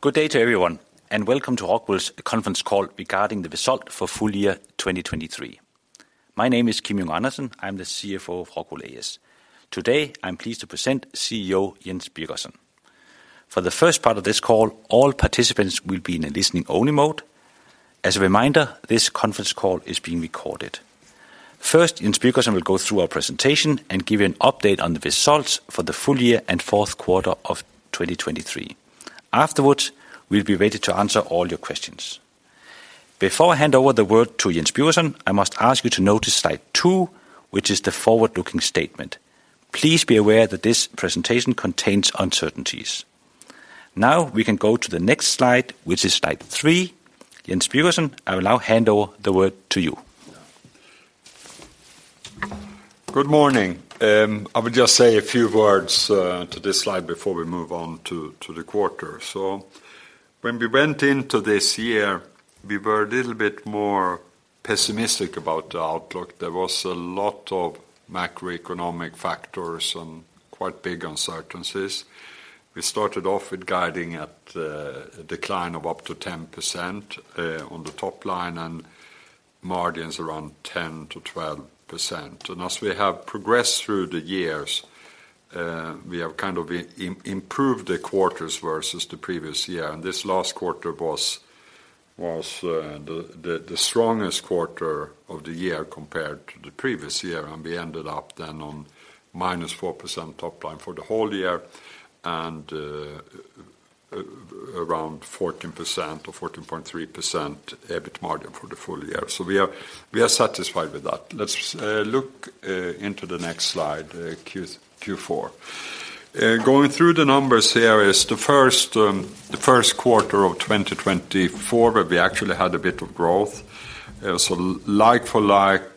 Good day to everyone, and welcome to ROCKWOOL's conference call regarding the result for full year 2023. My name is Kim Junge Andersen. I'm the CFO of ROCKWOOL A/S. Today, I'm pleased to present CEO Jens Birgersson. For the first part of this call, all participants will be in a listening-only mode. As a reminder, this conference call is being recorded. First, Jens Birgersson will go through our presentation and give you an update on the results for the full year and fourth quarter of 2023. Afterwards, we'll be ready to answer all your questions. Before I hand over the word to Jens Birgersson, I must ask you to notice slide two, which is the forward-looking statement. Please be aware that this presentation contains uncertainties. Now, we can go to the next slide, which is slide three. Jens Birgersson, I will now hand over the word to you. Good morning. I will just say a few words to this slide before we move on to the quarter. So when we went into this year, we were a little bit more pessimistic about the outlook. There was a lot of macroeconomic factors and quite big uncertainties. We started off with guiding at a decline of up to 10% on the top line, and margins around 10%-12%. And as we have progressed through the years, we have kind of improved the quarters versus the previous year, and this last quarter was the strongest quarter of the year compared to the previous year, and we ended up then on -4% top line for the whole year and around 14% or 14.3% EBIT margin for the full year. So we are satisfied with that. Let's look into the next slide, Q4. Going through the numbers here is the first quarter of 2024, where we actually had a bit of growth. So like for like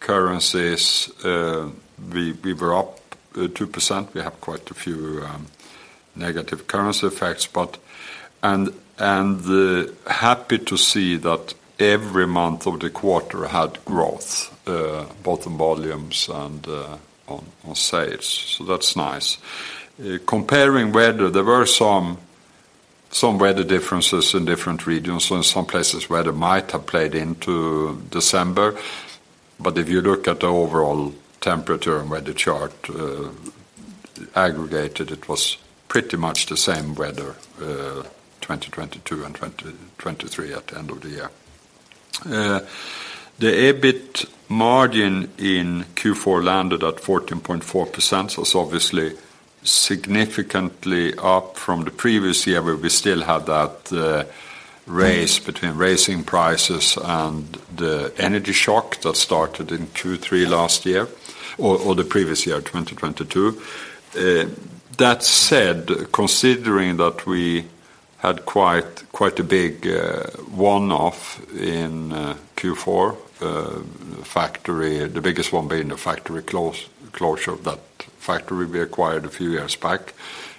currencies, we were up 2%. We have quite a few negative currency effects, but... and happy to see that every month of the quarter had growth, both in volumes and on sales. So that's nice. Comparing weather, there were some weather differences in different regions, and some places where they might have played into December. But if you look at the overall temperature and weather chart, aggregated, it was pretty much the same weather, 2022 and 2023 at the end of the year. The EBIT margin in Q4 landed at 14.4%, so it's obviously significantly up from the previous year, where we still had that race between raising prices and the energy shock that started in Q3 last year or the previous year, 2022. That said, considering that we had quite a big one-off in Q4, the biggest one being the factory closure of that factory we acquired a few years back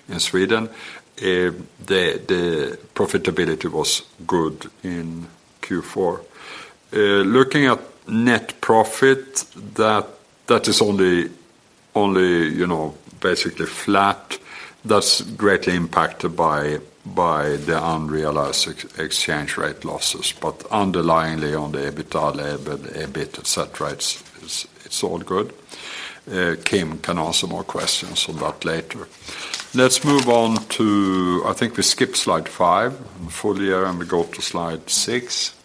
in Sweden, the profitability was good in Q4. Looking at net profit, that is only, you know, basically flat, that's greatly impacted by the unrealized exchange rate losses, but underlyingly on the EBITDA, EBIT, et cetera, it's all good. Kim can answer more questions on that later. Let's move on to... I think we skip slide five, full year, and we go to slide six.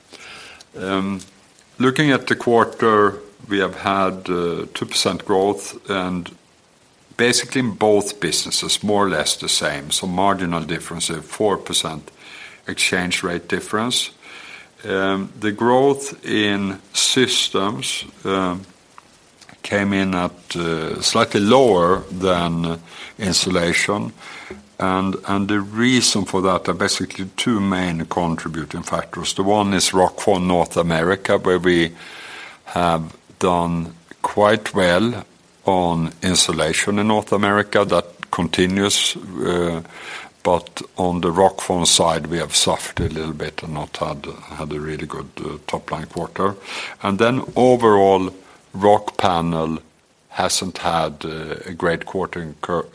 Looking at the quarter, we have had 2% growth and basically in both businesses, more or less the same, so marginal difference of 4% exchange rate difference. The growth in systems came in at slightly lower than insulation, and the reason for that are basically two main contributing factors. The one is Rockfon North America, where we have done quite well on insulation in North America. That continues, but on the Rockfon side, we have soft a little bit and not had a really good top-line quarter. And then overall, Rockpanel hasn't had a great quarter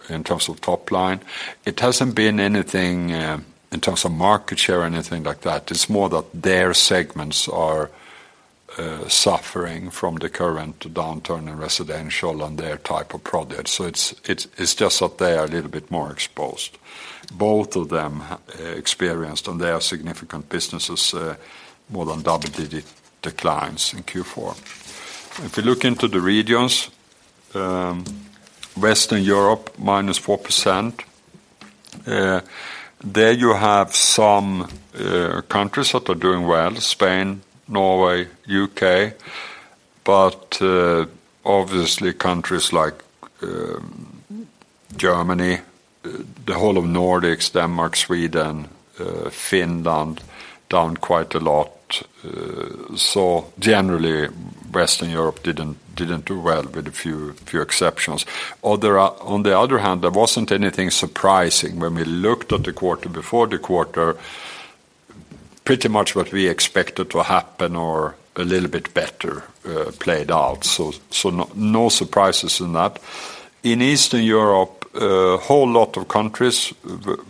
in terms of top line. It hasn't been anything in terms of market share or anything like that. It's more that their segments are suffering from the current downturn in residential and their type of projects. So it's, it's, it's just that they are a little bit more exposed. Both of them experienced on their significant businesses more than double-digit declines in Q4. If you look into the regions, Western Europe, -4%, there you have some countries that are doing well, Spain, Norway, U.K., but obviously, countries like Germany, the whole of Nordics, Denmark, Sweden, Finland, down quite a lot. So generally, Western Europe didn't, didn't do well, with a few exceptions. On the other hand, there wasn't anything surprising when we looked at the quarter. Pretty much what we expected to happen or a little bit better played out, so, so no, no surprises in that. In Eastern Europe, a whole lot of countries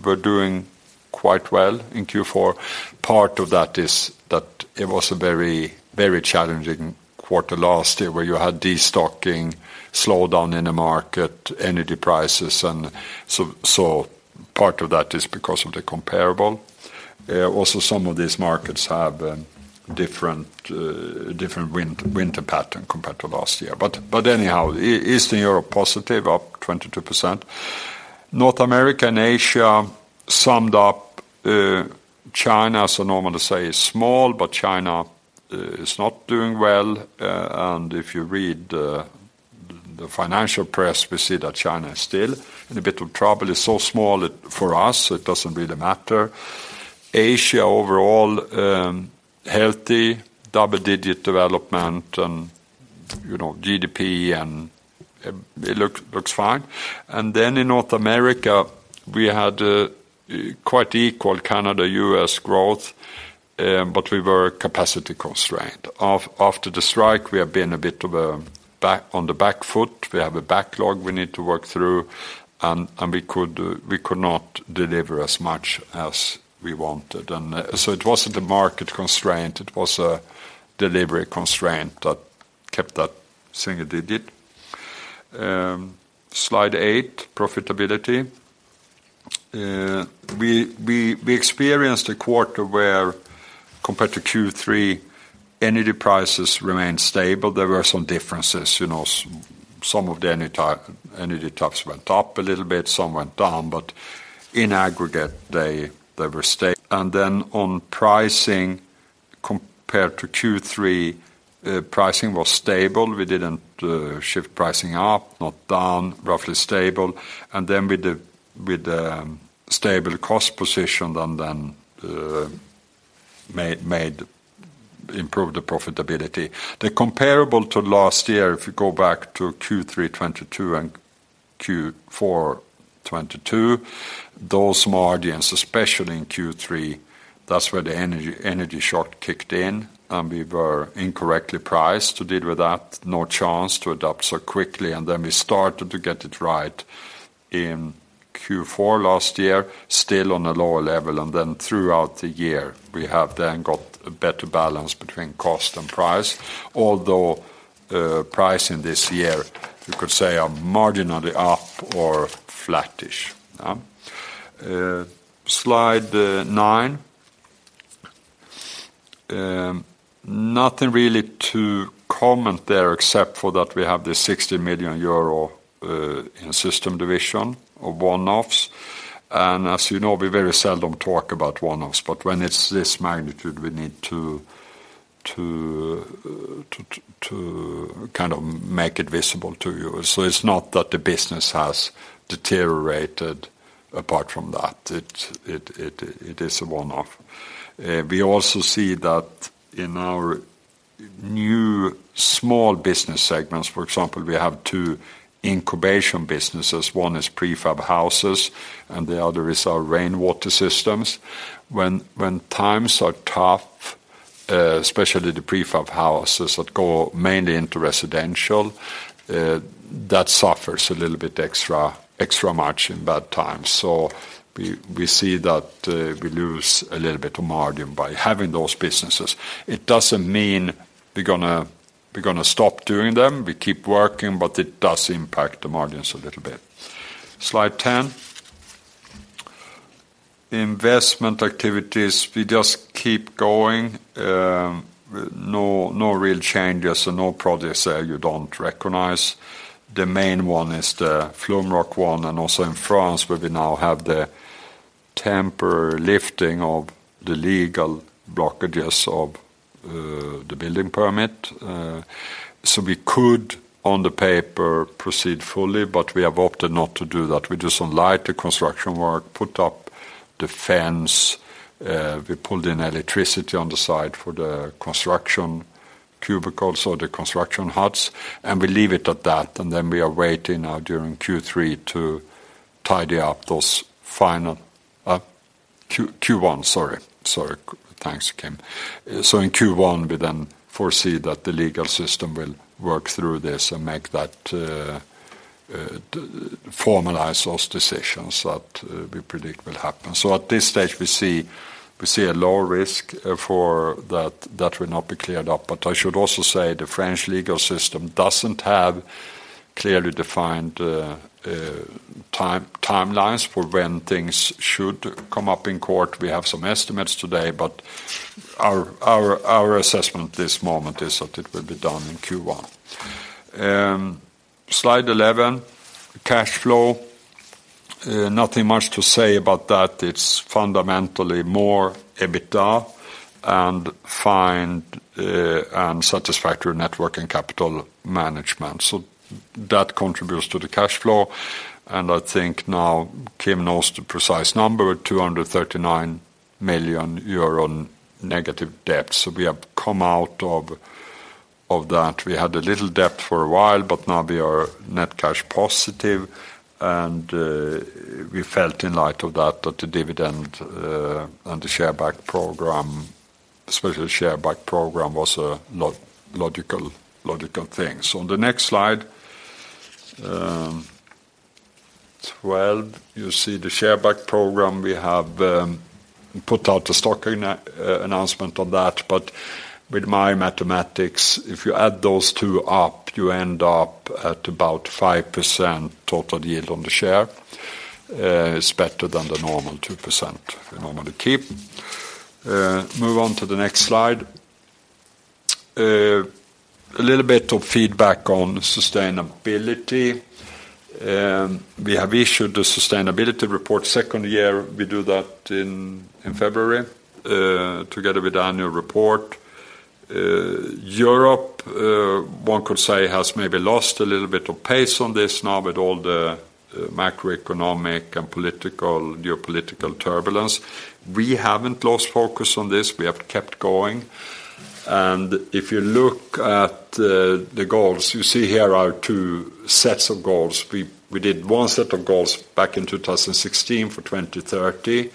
were doing quite well in Q4. Part of that is that it was a very, very challenging quarter last year, where you had destocking, slowdown in the market, energy prices, and so, so part of that is because of the comparable. Also, some of these markets have different, different winter pattern compared to last year. But, but anyhow, Eastern Europe, positive, up 22%. North America and Asia summed up, China, so normal to say, is small, but China is not doing well. And if you read the financial press, we see that China is still in a bit of trouble. It's so small for us, it doesn't really matter. Asia, overall, healthy, double-digit development and, you know, GDP, and it looks, looks fine. And then in North America, we had quite equal Canada, U.S. growth, but we were capacity constrained. After the strike, we have been a bit on the back foot. We have a backlog we need to work through, and we could not deliver as much as we wanted. So it wasn't a market constraint, it was a delivery constraint that kept that single digit. Slide eight, profitability. We experienced a quarter where, compared to Q3, energy prices remained stable. There were some differences, you know, some of the energy types went up a little bit, some went down, but in aggregate, they were stable. And then on pricing, compared to Q3, pricing was stable. We didn't shift pricing up, not down, roughly stable. And then with the stable cost position, and then made improved the profitability. The comparable to last year, if you go back to Q3 2022 and Q4 2022, those margins, especially in Q3, that's where the energy shock kicked in, and we were incorrectly priced to deal with that. No chance to adapt so quickly, and then we started to get it right in Q4 last year, still on a lower level, and then throughout the year, we have then got a better balance between cost and price. Although price in this year, you could say, are marginally up or flattish. Slide nine. Nothing really to comment there, except for that we have the 60 million euro in system division of one-offs. As you know, we very seldom talk about one-offs, but when it's this magnitude, we need to kind of make it visible to you. It's not that the business has deteriorated apart from that; it is a one-off. We also see that in our new small business segments; for example, we have two incubation businesses. One is prefab houses, and the other is our rainwater systems. When times are tough, especially the prefab houses that go mainly into residential, that suffers a little bit extra much in bad times. So we see that we lose a little bit of margin by having those businesses. It doesn't mean we're gonna stop doing them. We keep working, but it does impact the margins a little bit. Slide 10. Investment activities, we just keep going, no, no real changes, so no projects you don't recognize. The main one is the Flumroc one, and also in France, where we now have the temporary lifting of the legal blockages of the building permit. So we could, on the paper, proceed fully, but we have opted not to do that. We do some lighter construction work, put up the fence, we pulled in electricity on the side for the construction cubicles or the construction huts, and we leave it at that. And then we are waiting now during Q3 to tidy up those final, Q-Q1, sorry, sorry. Thanks, Kim. So in Q1, we then foresee that the legal system will work through this and make that formalize those decisions that we predict will happen. So at this stage, we see a lower risk for that that will not be cleared up. But I should also say the French legal system doesn't have clearly defined timelines for when things should come up in court. We have some estimates today, but our assessment this moment is that it will be done in Q1. Slide 11, cash flow. Nothing much to say about that. It's fundamentally more EBITDA and fine and satisfactory working capital management. So that contributes to the cash flow, and I think now Kim knows the precise number, 239 million euro negative debt. So we have come out of-... Of that, we had a little debt for a while, but now we are net cash positive, and we felt in light of that, that the dividend and the share buyback program, especially share buyback program, was a logical thing. So on the next slide, 12, you see the share buyback program. We have put out a stock announcement on that, but with my mathematics, if you add those two up, you end up at about 5% total yield on the share. It's better than the normal 2% we normally keep. Move on to the next slide. A little bit of feedback on sustainability. We have issued the sustainability report, second year we do that in February, together with the annual report. Europe, one could say, has maybe lost a little bit of pace on this now with all the macroeconomic and political, geopolitical turbulence. We haven't lost focus on this. We have kept going. And if you look at the goals, you see here are two sets of goals. We did one set of goals back in 2016 for 2030.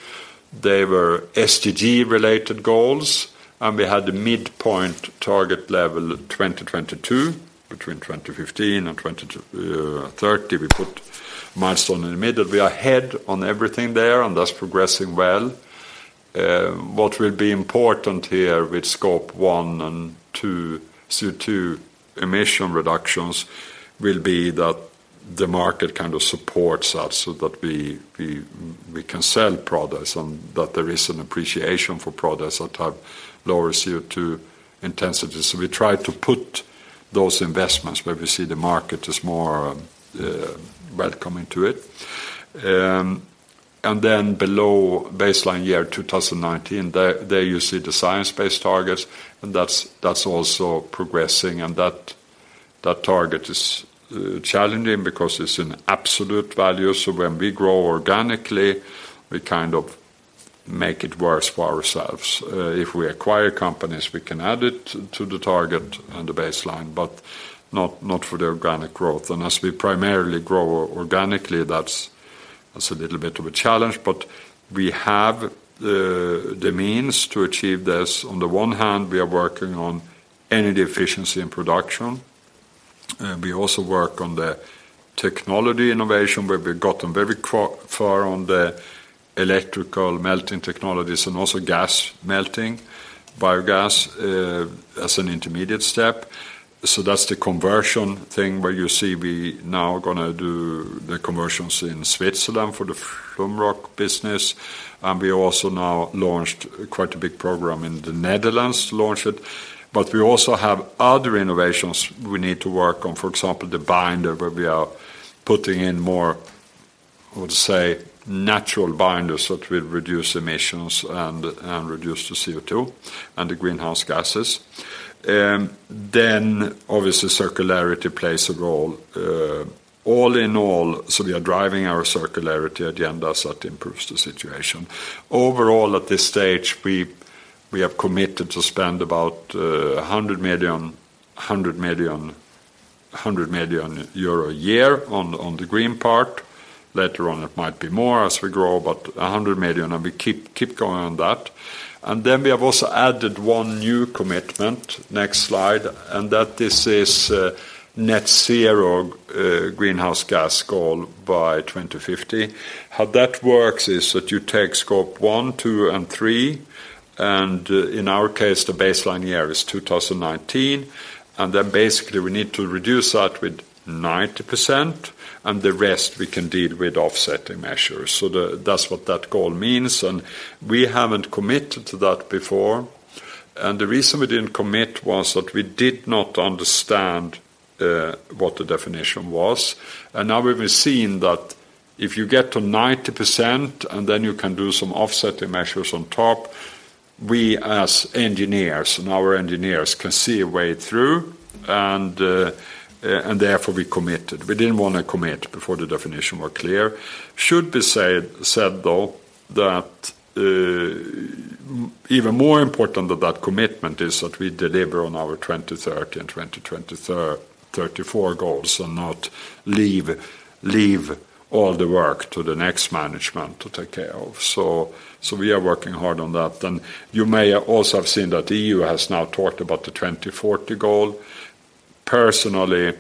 They were SDG-related goals, and we had a midpoint target level of 2022. Between 2015 and 2022-2030, we put milestone in the middle. We are ahead on everything there, and that's progressing well. What will be important here with scope one and two, CO2 emission reductions, will be that the market kind of supports us so that we can sell products, and that there is an appreciation for products that have lower CO2 intensity. So we try to put those investments where we see the market is more welcoming to it. And then below baseline year 2019, there you see the science-based targets, and that's also progressing, and that target is challenging because it's an absolute value. So when we grow organically, we kind of make it worse for ourselves. If we acquire companies, we can add it to the target and the baseline, but not for the organic growth. And as we primarily grow organically, that's a little bit of a challenge, but we have the means to achieve this. On the one hand, we are working on energy efficiency and production. We also work on the technology innovation, where we've gotten very far on the electrical melting technologies and also gas melting, biogas, as an intermediate step. So that's the conversion thing, where you see we now gonna do the conversions in Switzerland for the Flumroc business, and we also now launched quite a big program in the Netherlands, launched it. But we also have other innovations we need to work on. For example, the binder, where we are putting in more, I would say, natural binders that will reduce emissions and, and reduce the CO2 and the greenhouse gases. Then, obviously, circularity plays a role. All in all, so we are driving our circularity agendas that improves the situation. Overall, at this stage, we have committed to spend about 100 million euro a year on the green part. Later on, it might be more as we grow, but 100 million, and we keep going on that. And then we have alone added one new commitment, next slide, and that this is net zero greenhouse gas goal by 2050. How that works is that you take Scope 1, 2, and 3, and in our case, the baseline year is 2019, and then basically, we need to reduce that with 90%, and the rest we can deal with offsetting measures. So that's what that goal means, and we haven't committed to that before. And the reason we didn't commit was that we did not understand what the definition was. And now we've been seeing that if you get to 90%, and then you can do some offsetting measures on top, we as engineers and our engineers can see a way through, and, and therefore, we committed. We didn't want to commit before the definition were clear. Should be said, said, though, that even more important than that commitment is that we deliver on our 2030 and 2034 goals and not leave all the work to the next management to take care of. So we are working hard on that. And you may also have seen that EU has now talked about the 2040 goal. Personally,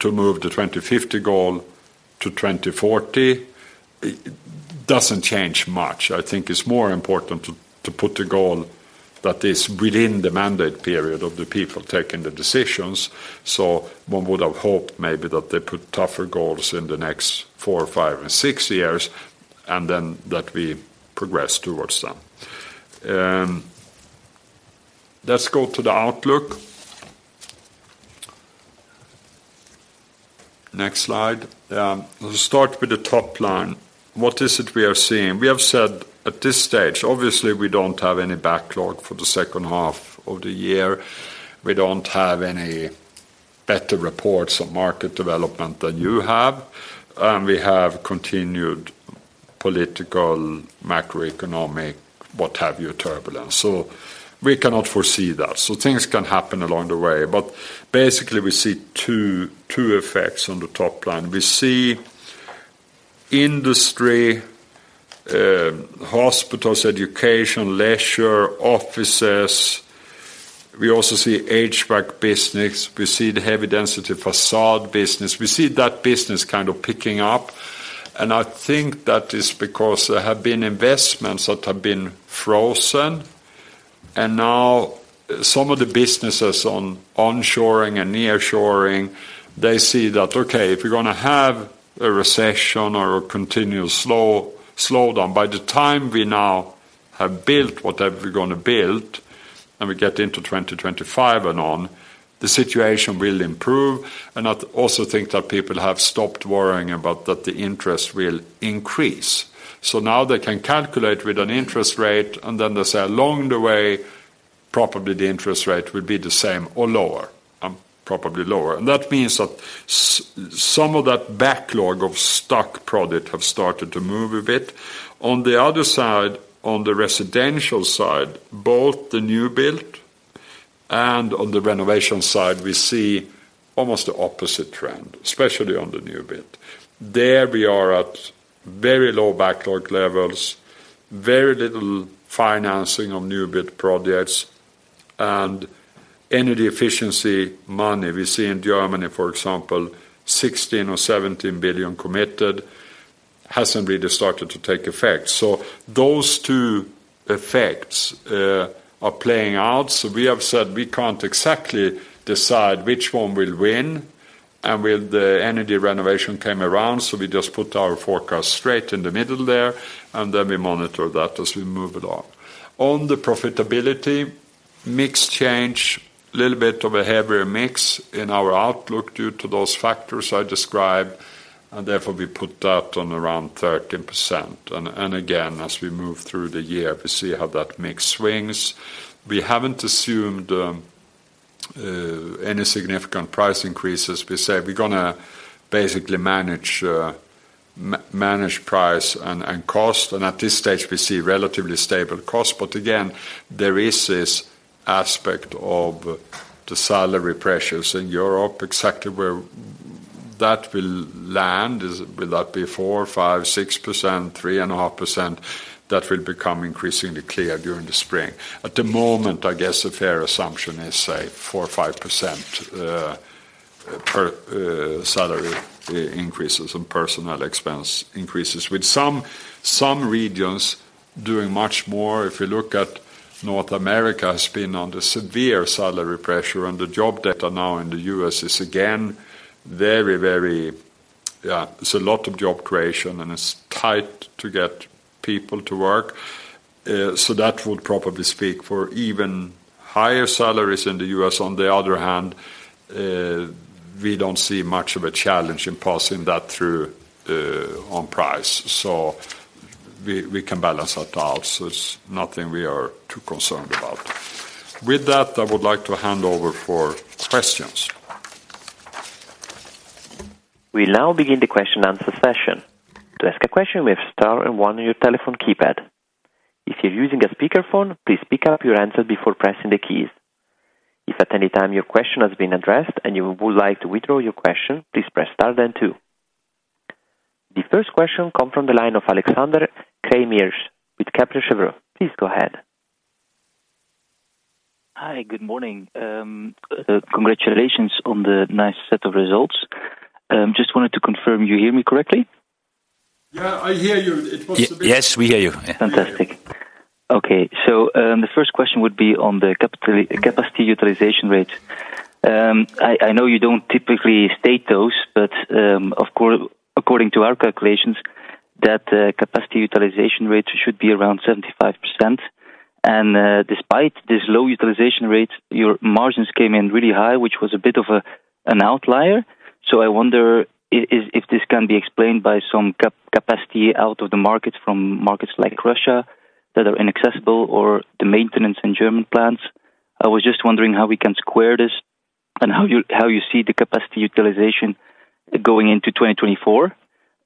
to move the 2050 goal to 2040, it doesn't change much. I think it's more important to, to put a goal that is within the mandate period of the people taking the decisions. So one would have hoped maybe that they put tougher goals in the next four, five, and six years, and then that we progress towards them. Let's go to the outlook. Next slide. We'll start with the top line. What is it we are seeing? We have said at this stage, obviously, we don't have any backlog for the second half of the year. We don't have any better reports on market development than you have, and we have continued political, macroeconomic, what have you, turbulence. So we cannot foresee that. So things can happen along the way, but basically, we see two, two effects on the top line. We see industry, hospitals, education, leisure, offices. We also see HVAC business. We see the heavy density facade business. We see that business kind of picking up, and I think that is because there have been investments that have been frozen, and now some of the businesses on onshoring and nearshoring, they see that, okay, if we're gonna have a recession or a continuous slowdown, by the time we now have built whatever we're gonna build, and we get into 2025 and on, the situation will improve. And I also think that people have stopped worrying about that the interest will increase. So now they can calculate with an interest rate, and then they say, along the way, probably the interest rate will be the same or lower, probably lower. And that means that some of that backlog of stock product have started to move a bit. On the other side, on the residential side, both the new build and on the renovation side, we see almost the opposite trend, especially on the new build. There we are at very low backlog levels, very little financing of new build projects, and energy efficiency money. We see in Germany, for example, 16 billion or 17 billion committed, hasn't really started to take effect. So those two effects are playing out. So we have said we can't exactly decide which one will win, and will the energy renovation came around, so we just put our forecast straight in the middle there, and then we monitor that as we move it on. On the profitability, mix change, little bit of a heavier mix in our outlook due to those factors I described, and therefore, we put that on around 13%. And again, as we move through the year, we see how that mix swings. We haven't assumed any significant price increases. We say we're gonna basically manage price and cost, and at this stage, we see relatively stable cost. But again, there is this aspect of the salary pressures in Europe, exactly where that will land. Will that be 4, 5, 6%, 3.5%? That will become increasingly clear during the spring. At the moment, I guess a fair assumption is, say, 4 or 5% per salary increases and personnel expense increases, with some regions doing much more. If you look at North America, has been under severe salary pressure, and the job data now in the U.S. is again, very, very... Yeah, it's a lot of job creation, and it's tight to get people to work. So that would probably speak for even higher salaries in the U.S. On the other hand, we don't see much of a challenge in passing that through, on price. So we, we can balance that out, so it's nothing we are too concerned about. With that, I would like to hand over for questions. We now begin the question and answer session. To ask a question, we have star and one on your telephone keypad. If you're using a speakerphone, please pick up your handset before pressing the keys. If at any time your question has been addressed and you would like to withdraw your question, please press star then two. The first question comes from the line of Alexander Craeymeersch with Kepler Cheuvreux. Please go ahead. Hi, good morning. Congratulations on the nice set of results. Just wanted to confirm, you hear me correctly? Yeah, I hear you. It was- Yes, we hear you. Fantastic. Okay. So, the first question would be on the capacity, capacity utilization rate. I know you don't typically state those, but, of course, according to our calculations, that capacity utilization rate should be around 75%. And, despite this low utilization rate, your margins came in really high, which was a bit of a, an outlier. So I wonder if, if this can be explained by some capacity out of the markets, from markets like Russia, that are inaccessible or the maintenance in German plants. I was just wondering how we can square this and how you see the capacity utilization going into 2024.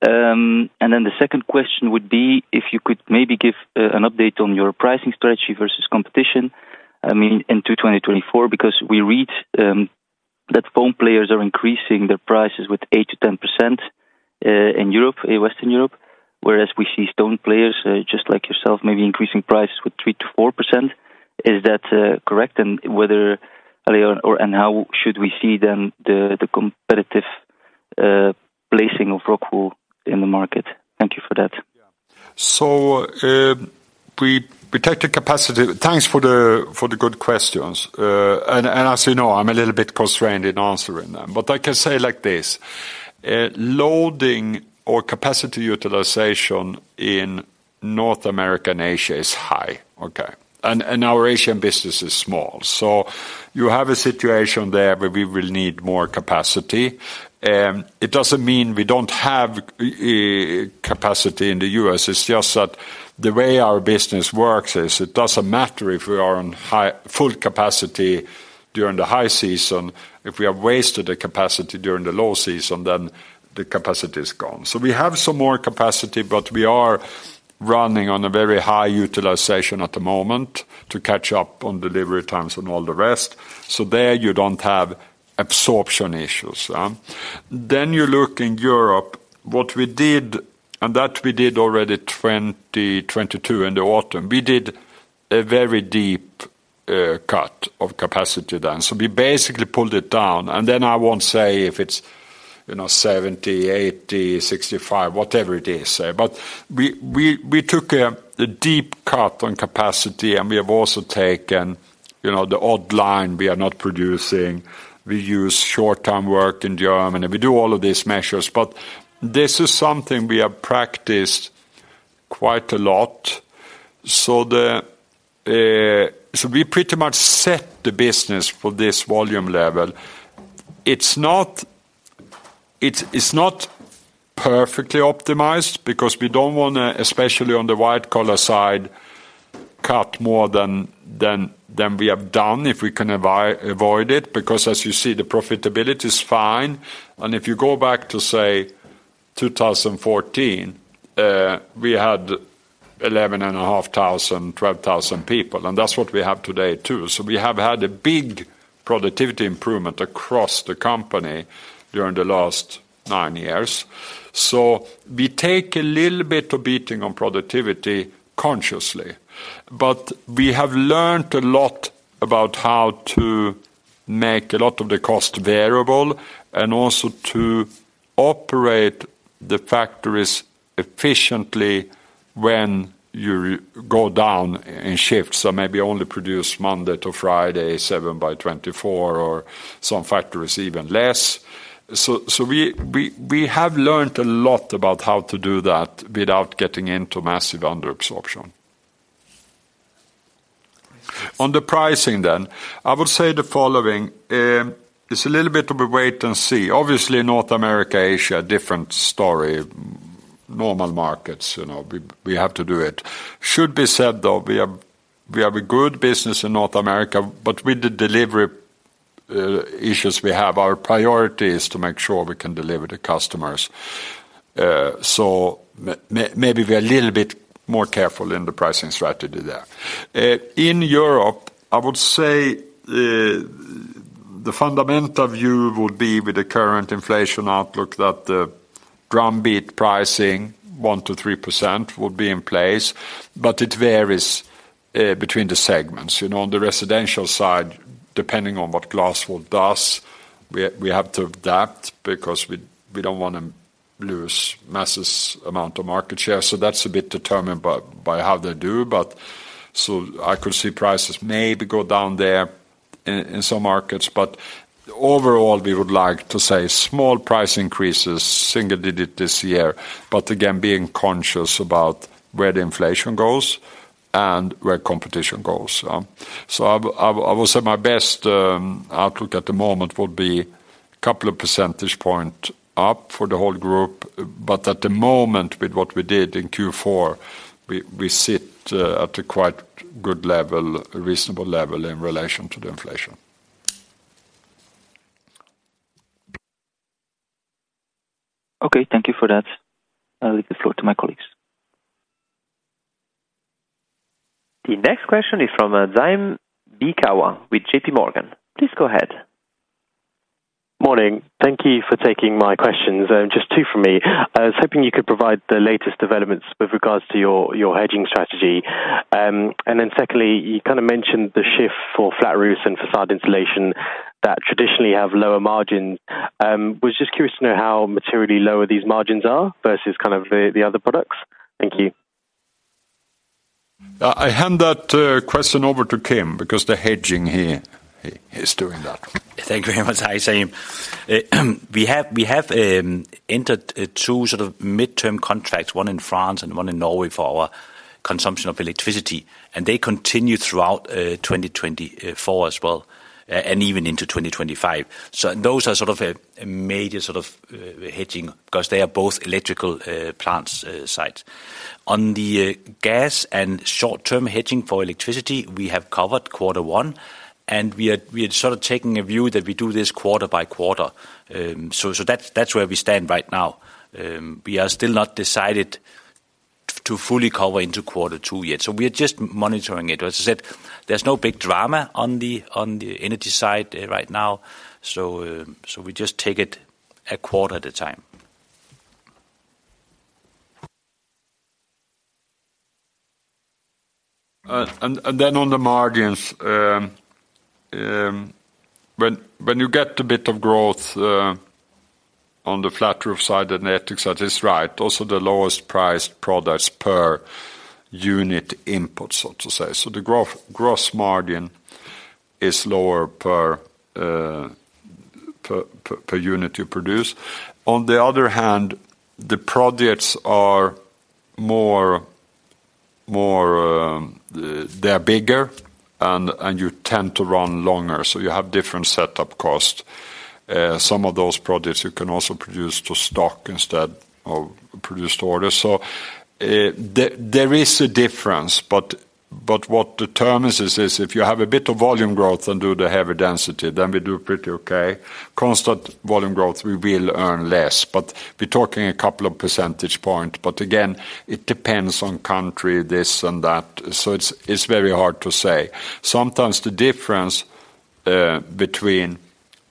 And then the second question would be if you could maybe give an update on your pricing strategy versus competition, I mean, into 2024, because we read that foam players are increasing their prices with 8%-10%, in Europe, in Western Europe, whereas we see stone players just like yourself, maybe increasing prices with 3%-4%. Is that correct? And whether, and how should we see then the competitive placing of ROCKWOOL in the market? Thank you for that. Yeah. So, we take the capacity... Thanks for the good questions. As you know, I'm a little bit constrained in answering them, but I can say like this: loading or capacity utilization in North America and Asia is high, okay? Our Asian business is small. So you have a situation there where we will need more capacity. It doesn't mean we don't have capacity in the U.S., it's just that the way our business works is it doesn't matter if we are on high-full capacity during the high season. If we have wasted the capacity during the low season, then the capacity is gone. So we have some more capacity, but we are running on a very high utilization at the moment to catch up on delivery times and all the rest. So there, you don't have absorption issues? Then you look in Europe, what we did. And that we did already 2022 in the autumn. We did a very deep cut of capacity then. So we basically pulled it down, and then I won't say if it's, you know, 70, 80, 65, whatever it is, but we took a deep cut on capacity, and we have also taken, you know, the odd line we are not producing. We use short-term work in Germany. We do all of these measures, but this is something we have practiced quite a lot. So we pretty much set the business for this volume level. It's not perfectly optimized because we don't wanna, especially on the wide collar side, cut more than we have done, if we can avoid it, because as you see, the profitability is fine. And if you go back to, say, 2014, we had 11,500, 12,000 people, and that's what we have today, too. So we have had a big productivity improvement across the company during the last 9 years. So we take a little bit of beating on productivity consciously, but we have learned a lot about how to make a lot of the cost variable and also to operate the factories efficiently when you go down in shifts. So maybe only produce Monday to Friday, 7 by 24, or some factories, even less. So we have learned a lot about how to do that without getting into massive under absorption. On the pricing then, I would say the following, it's a little bit of a wait and see. Obviously, North America, Asia, different story. Normal markets, you know, we have to do it. Should be said, though, we have a good business in North America, but with the delivery issues we have, our priority is to make sure we can deliver to customers. So maybe we are a little bit more careful in the pricing strategy there. In Europe, I would say, the fundamental view would be with the current inflation outlook, that the broad-based pricing, 1%-3%, would be in place, but it varies between the segments. You know, on the residential side, depending on what glass wool does, we have to adapt because we don't wanna lose massive amount of market share. So that's a bit determined by how they do, but so I could see prices maybe go down there in some markets, but overall, we would like to say small price increases, single digit this year, but again, being conscious about where the inflation goes and where competition goes. So I will say my best outlook at the moment would be a couple of percentage point up for the whole group, but at the moment, with what we did in Q4, we sit at a quite good level, a reasonable level in relation to the inflation. Okay, thank you for that. I'll leave the floor to my colleagues. The next question is from Zaim Beekawa with J.P. Morgan. Please go ahead. Morning. Thank you for taking my questions, just two for me. I was hoping you could provide the latest developments with regards to your, your hedging strategy. And then secondly, you kind of mentioned the shift for flat roofs and facade insulation that traditionally have lower margins. Was just curious to know how materially lower these margins are versus kind of the, the other products. Thank you. I hand that question over to Kim, because the hedging, he, he is doing that. Thank you very much. Hi, Zaim. We have entered two sort of midterm contracts, one in France and one in Norway, for our consumption of electricity, and they continue throughout 2024 as well, and even into 2025. So those are sort of a major sort of hedging because they are both electrical plants sites. On the gas and short-term hedging for electricity, we have covered quarter one, and we are sort of taking a view that we do this quarter by quarter. So that's where we stand right now. We are still not decided to fully cover into quarter two yet, so we are just monitoring it. As I said, there's no big drama on the energy side right now, so we just take it a quarter at a time. And then on the margins, when you get a bit of growth on the flat roof side of the net, that is right. Also, the lowest priced products per unit input, so to say. So the gross margin is lower per unit you produce. On the other hand, the projects are more, they are bigger, and you tend to run longer, so you have different setup cost. Some of those projects you can also produce to stock instead of produce to order. So, there is a difference, but what determines this is, if you have a bit of volume growth and do the heavy density, then we do pretty okay. Constant volume growth, we will earn less, but we're talking a couple of percentage point. But again, it depends on country, this and that, so it's very hard to say. Sometimes the difference between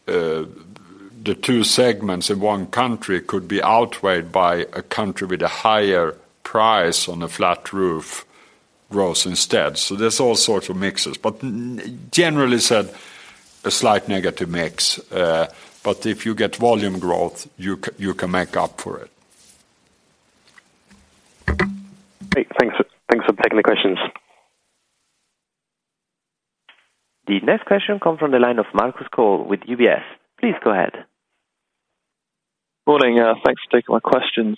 the two segments in one country could be outweighed by a country with a higher price on a flat roof growth instead. So there's all sorts of mixes, but generally said, a slight negative mix, but if you get volume growth, you can make up for it. Great. Thanks, thanks for taking the questions. The next question comes from the line of Marcus Cole with UBS. Please go ahead. Morning, thanks for taking my questions.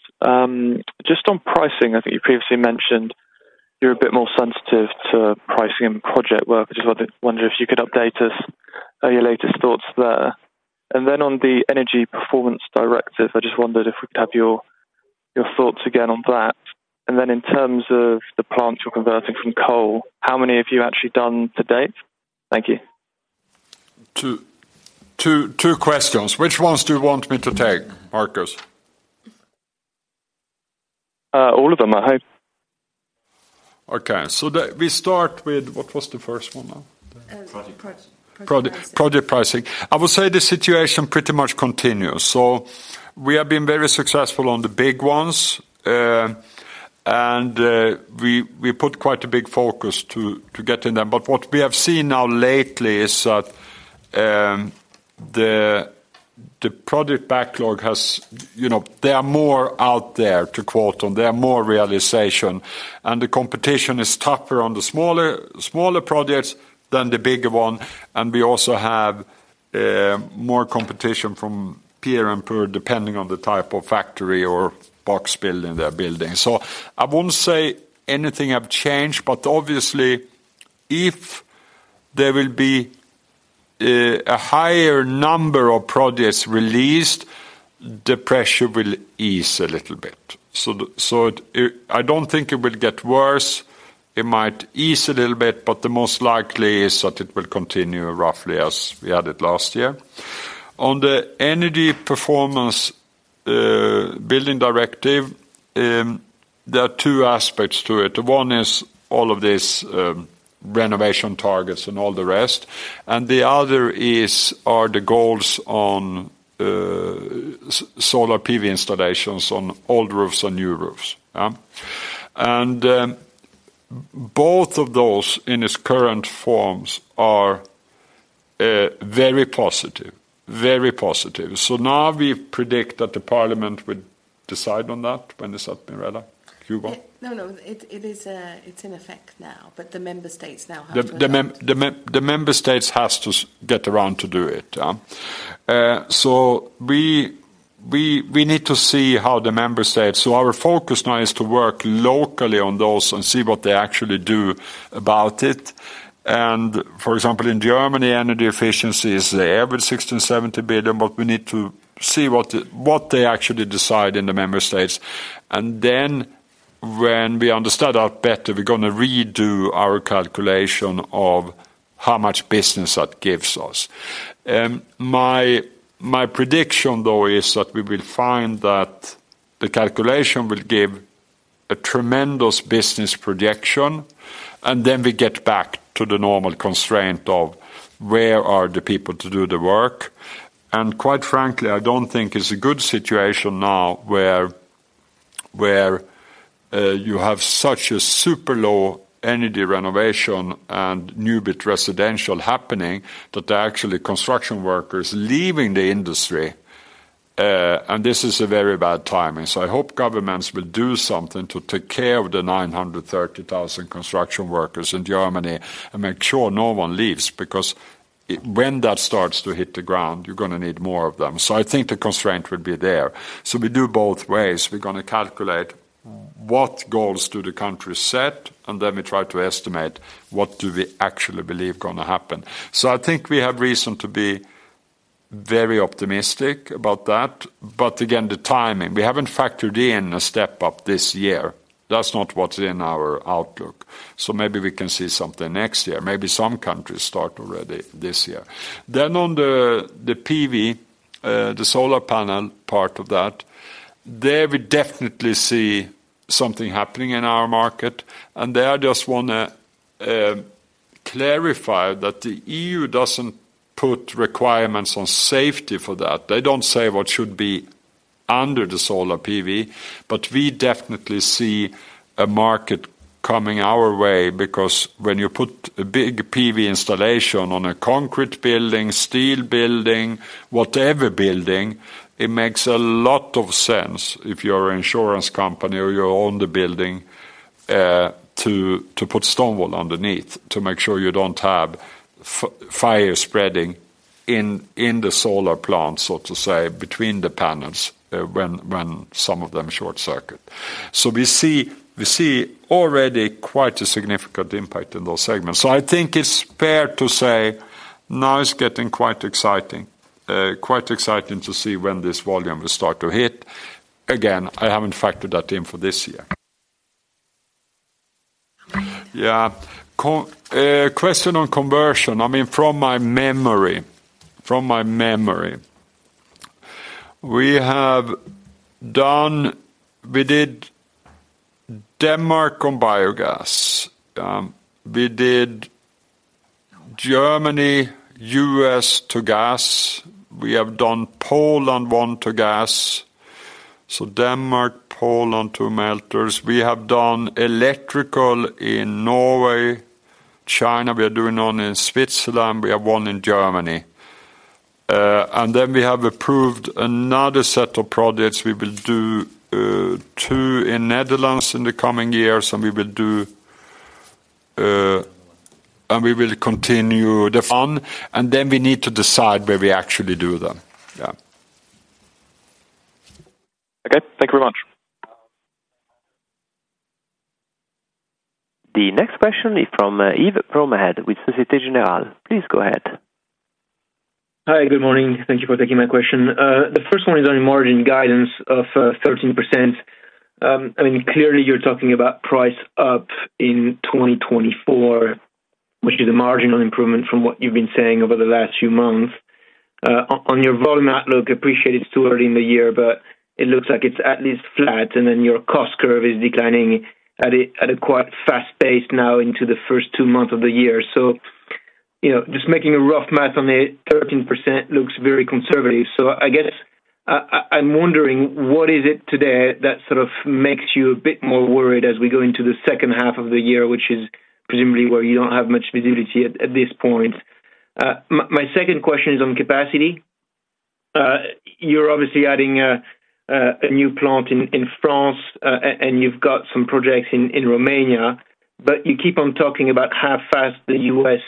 Just on pricing, I think you previously mentioned you're a bit more sensitive to pricing in project work. I just wonder if you could update us on your latest thoughts there. And then on the Energy Performance Directive, I just wondered if we could have your thoughts again on that. And then in terms of the plants you're converting from coal, how many have you actually done to date? Thank you. Two questions. Which ones do you want me to take, Marcus? All of them, I hope. Okay, so we start with... What was the first one now? Project. Project. Project pricing. I would say the situation pretty much continues. So we have been very successful on the big ones, and we put quite a big focus to get in them. But what we have seen now lately is that the project backlog has, you know, there are more out there to quote on, there are more realization, and the competition is tougher on the smaller projects than the bigger one, and we also have more competition from peer and peer, depending on the type of factory or box building they're building. So I wouldn't say anything have changed, but obviously, if there will be a higher number of projects released, the pressure will ease a little bit. So it, I don't think it will get worse. It might ease a little bit, but the most likely is that it will continue roughly as we had it last year. On the Energy Performance Building Directive, there are two aspects to it. One is all of these renovation targets and all the rest, and the other is are the goals on solar PV installations on old roofs and new roofs? And both of those in its current forms are very positive, very positive. So now we predict that the parliament would decide on that. When is that, Mirella? Hugo? No, no, it, it is, it's in effect now, but the member states now have to- The member states has to get around to do it. So we need to see how the member states. So our focus now is to work locally on those and see what they actually do about it. And for example, in Germany, energy efficiency is every 60-70 billion, but we need to see what they actually decide in the member states. And then when we understand that better, we're gonna redo our calculation of how much business that gives us. My prediction, though, is that we will find that the calculation will give a tremendous business projection, and then we get back to the normal constraint of where are the people to do the work. Quite frankly, I don't think it's a good situation now where you have such a super low energy renovation and new-build residential happening, that there are actually construction workers leaving the industry, and this is a very bad timing. So I hope governments will do something to take care of the 930,000 construction workers in Germany and make sure no one leaves, because when that starts to hit the ground, you're gonna need more of them. So I think the constraint will be there. So we do both ways. We're gonna calculate what goals do the country set, and then we try to estimate what do we actually believe gonna happen. So I think we have reason to be very optimistic about that, but again, the timing, we haven't factored in a step up this year. That's not what's in our outlook. So maybe we can see something next year, maybe some countries start already this year. Then on the PV, the solar panel part of that, there we definitely see something happening in our market, and there, I just wanna clarify that the EU doesn't put requirements on safety for that. They don't say what should be under the solar PV, but we definitely see a market coming our way, because when you put a big PV installation on a concrete building, steel building, whatever building, it makes a lot of sense if you're an insurance company or you own the building, to put stone wool underneath to make sure you don't have fire spreading in the solar plant, so to say, between the panels, when some of them short circuit. So we see, we see already quite a significant impact in those segments. So I think it's fair to say now it's getting quite exciting, quite exciting to see when this volume will start to hit. Again, I haven't factored that in for this year. Thank you. Yeah. Question on conversion, I mean, from my memory. We have done, we did Denmark on biogas. We did Germany, U.S. to gas. We have done Poland, one to gas. So Denmark, Poland, two melters. We have done electrical in Norway, China, we are doing one in Switzerland, we have one in Germany. And then we have approved another set of projects. We will do two in Netherlands in the coming years, and we will do, and we will continue the on, and then we need to decide where we actually do them. Yeah. Okay, thank you very much. The next question is from Yves Bromehead with Société Générale. Please go ahead. Hi, good morning. Thank you for taking my question. The first one is on margin guidance of 13%. I mean, clearly you're talking about price up in 2024, which is a marginal improvement from what you've been saying over the last few months. On your volume outlook, appreciate it's too early in the year, but it looks like it's at least flat, and then your cost curve is declining at a quite fast pace now into the first two months of the year. So, you know, just making a rough math on it, 13% looks very conservative. So I guess, I'm wondering, what is it today that sort of makes you a bit more worried as we go into the second half of the year, which is presumably where you don't have much visibility at this point? My second question is on capacity. You're obviously adding a new plant in France, and you've got some projects in Romania, but you keep on talking about how fast the U.S.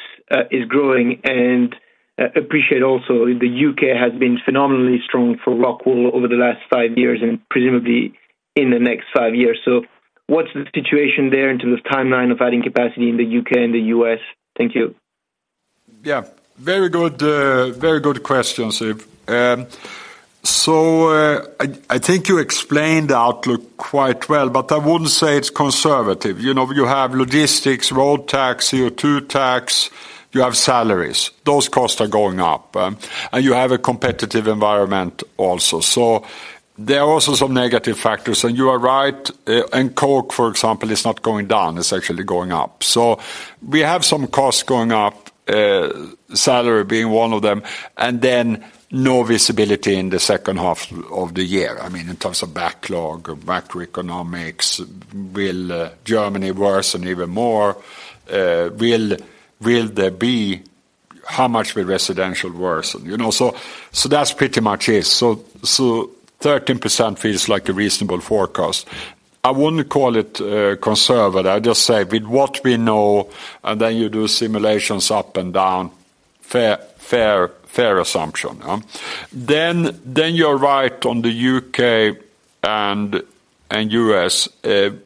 is growing, and appreciate also the U.K. has been phenomenally strong for ROCKWOOL over the last five years and presumably in the next five years. So what's the situation there in terms of timeline of adding capacity in the U.K. and the U.S.? Thank you. Yeah, very good, very good question, Yves. So, I think you explained the outlook quite well, but I wouldn't say it's conservative. You know, you have logistics, road tax, CO2 tax, you have salaries. Those costs are going up, and you have a competitive environment also. So there are also some negative factors, and you are right, and coke, for example, is not going down, it's actually going up. So we have some costs going up, salary being one of them, and then no visibility in the second half of the year. I mean, in terms of backlog, macroeconomics, will Germany worsen even more? Will there be... How much will residential worsen? You know, so that's pretty much it. So thirteen percent feels like a reasonable forecast. I wouldn't call it conservative. I just say with what we know, and then you do simulations up and down, fair, fair, fair assumption. Then, then you're right on the U.K. and, and U.S. You know,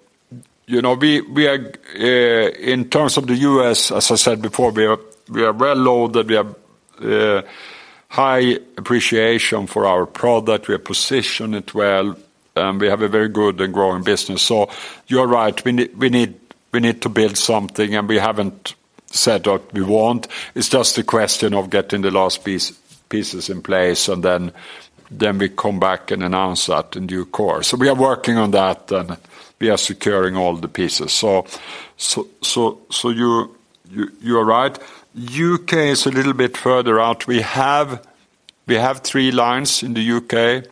we, we are, in terms of the U.S., as I said before, we are, we are well loaded, we have high appreciation for our product, we position it well, and we have a very good and growing business. So you're right, we need, we need to build something, and we haven't said that we won't. It's just a question of getting the last pieces in place, and then, then we come back and announce that in due course. So we are working on that, and we are securing all the pieces. So, so, so, so you, you, you are right. U.K. is a little bit further out. We have, we have three lines in the U.K.,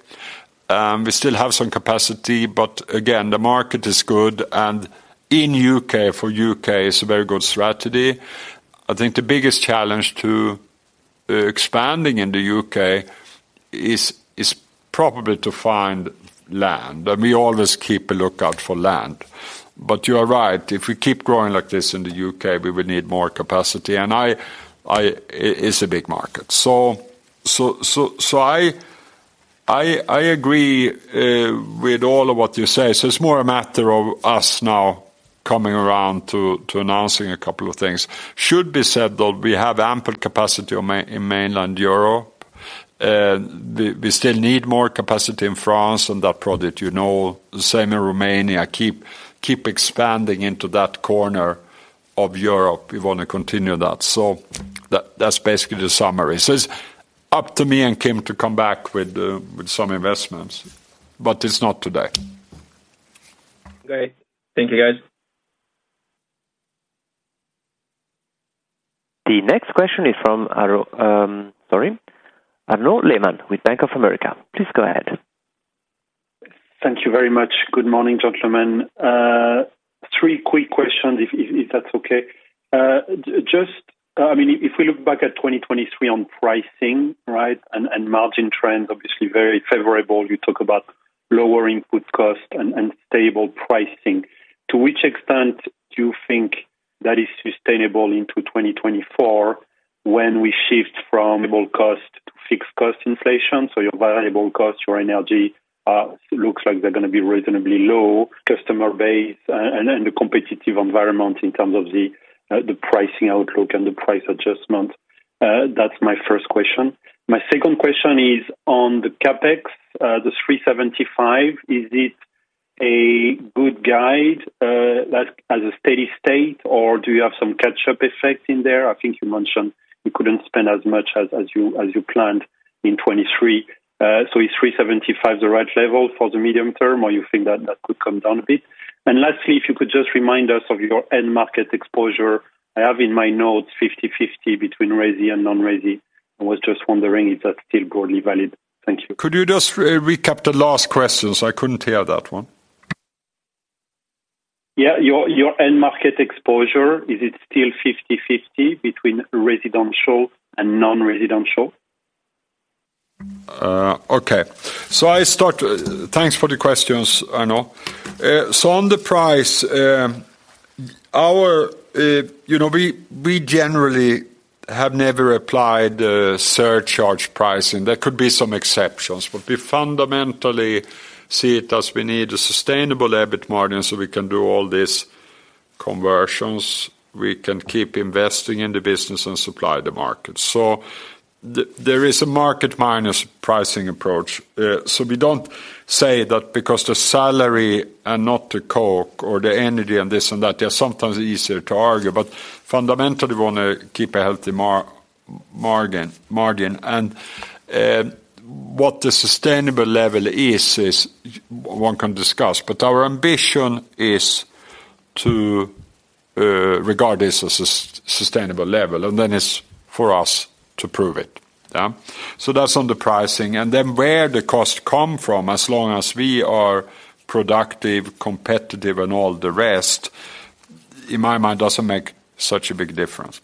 we still have some capacity, but again, the market is good, and in U.K., for U.K., it's a very good strategy. I think the biggest challenge to expanding in the U.K. is, is probably to find land, and we always keep a lookout for land. But you are right, if we keep growing like this in the U.K., we will need more capacity, and it's a big market. I agree with all of what you say. So it's more a matter of us now coming around to announcing a couple of things. Should be said, though, we have ample capacity in mainland Europe. We still need more capacity in France, and that product, you know, the same in Romania, keep expanding into that corner of Europe. We want to continue that. So that's basically the summary. So it's up to me and Kim to come back with some investments, but it's not today. Great. Thank you, guys. The next question is fromArnaud, sorry, Arnaud Lehmann with Bank of America. Please go ahead. Thank you very much. Good morning, gentlemen. Three quick questions, if that's okay. Just, I mean, if we look back at 2023 on pricing, right, and margin trends, obviously very favorable. You talk about lower input cost and stable pricing. To which extent do you think that is sustainable into 2024, when we shift from variable cost to fixed cost inflation? So your variable costs, your energy, looks like they're gonna be reasonably low, customer base, and the competitive environment in terms of the pricing outlook and the price adjustment. That's my first question. My second question is on the CapEx, the 375, is it a good guide, that as a steady state, or do you have some catch-up effect in there? I think you mentioned you couldn't spend as much as you planned in 2023. So is 375 the right level for the medium term, or you think that could come down a bit? And lastly, if you could just remind us of your end market exposure. I have in my notes, 50/50 between resi and non-resi. I was just wondering if that's still broadly valid. Thank you. Could you just, recap the last question, so I couldn't hear that one? Yeah, your end market exposure, is it still 50/50 between residential and non-residential? Thanks for the questions, Arnaud. So on the price, our you know, we, we generally have never applied the surcharge pricing. There could be some exceptions, but we fundamentally see it as we need a sustainable EBIT margin, so we can do all these conversions, we can keep investing in the business and supply the market. So there is a market minus pricing approach. So we don't say that because the salary and not the coke or the energy and this and that, they are sometimes easier to argue, but fundamentally, we want to keep a healthy margin. And what the sustainable level is, is one can discuss, but our ambition is to regard this as a sustainable level, and then it's for us to prove it. Yeah. So that's on the pricing. Then, where the cost come from, as long as we are productive, competitive, and all the rest, in my mind, doesn't make such a big difference.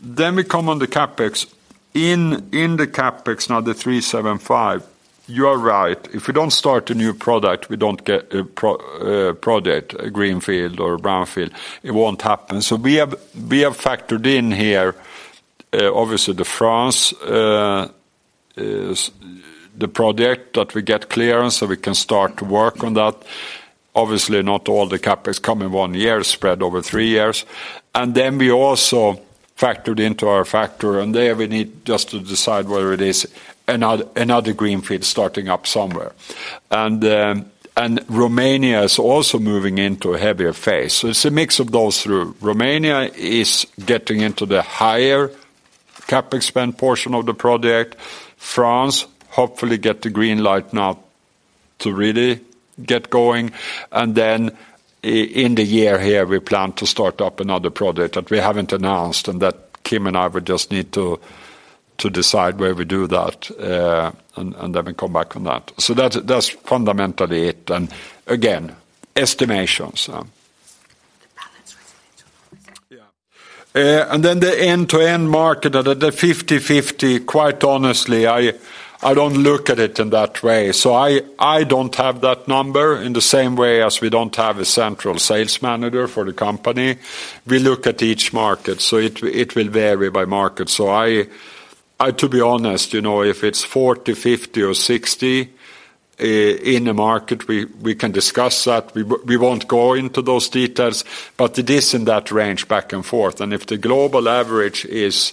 Then we come on the CapEx. In the CapEx, now the 375 million, you are right. If we don't start a new product, we don't get a project, a greenfield or a brownfield, it won't happen. So we have factored in here, obviously, the France is the project that we get clearance, so we can start to work on that. Obviously, not all the CapEx come in one year, spread over three years. And then we also factored into our forecast, and there we need just to decide whether it is another greenfield starting up somewhere. And Romania is also moving into a heavier phase. So it's a mix of those two. Romania is getting into the higher CapEx spend portion of the project. France, hopefully, get the green light now to really get going. And then in the year here, we plan to start up another project that we haven't announced, and that Kim and I, we just need to decide where we do that, and then we come back on that. So that's fundamentally it. And again, estimations. The balance between the two. Yeah. And then the end-to-end market, the 50/50, quite honestly, I, I don't look at it in that way. So I, I don't have that number in the same way as we don't have a central sales manager for the company. We look at each market, so it, it will vary by market. So I, I, to be honest, you know, if it's 40, 50, or 60, in a market, we, we can discuss that. We won't go into those details, but it is in that range, back and forth. And if the global average is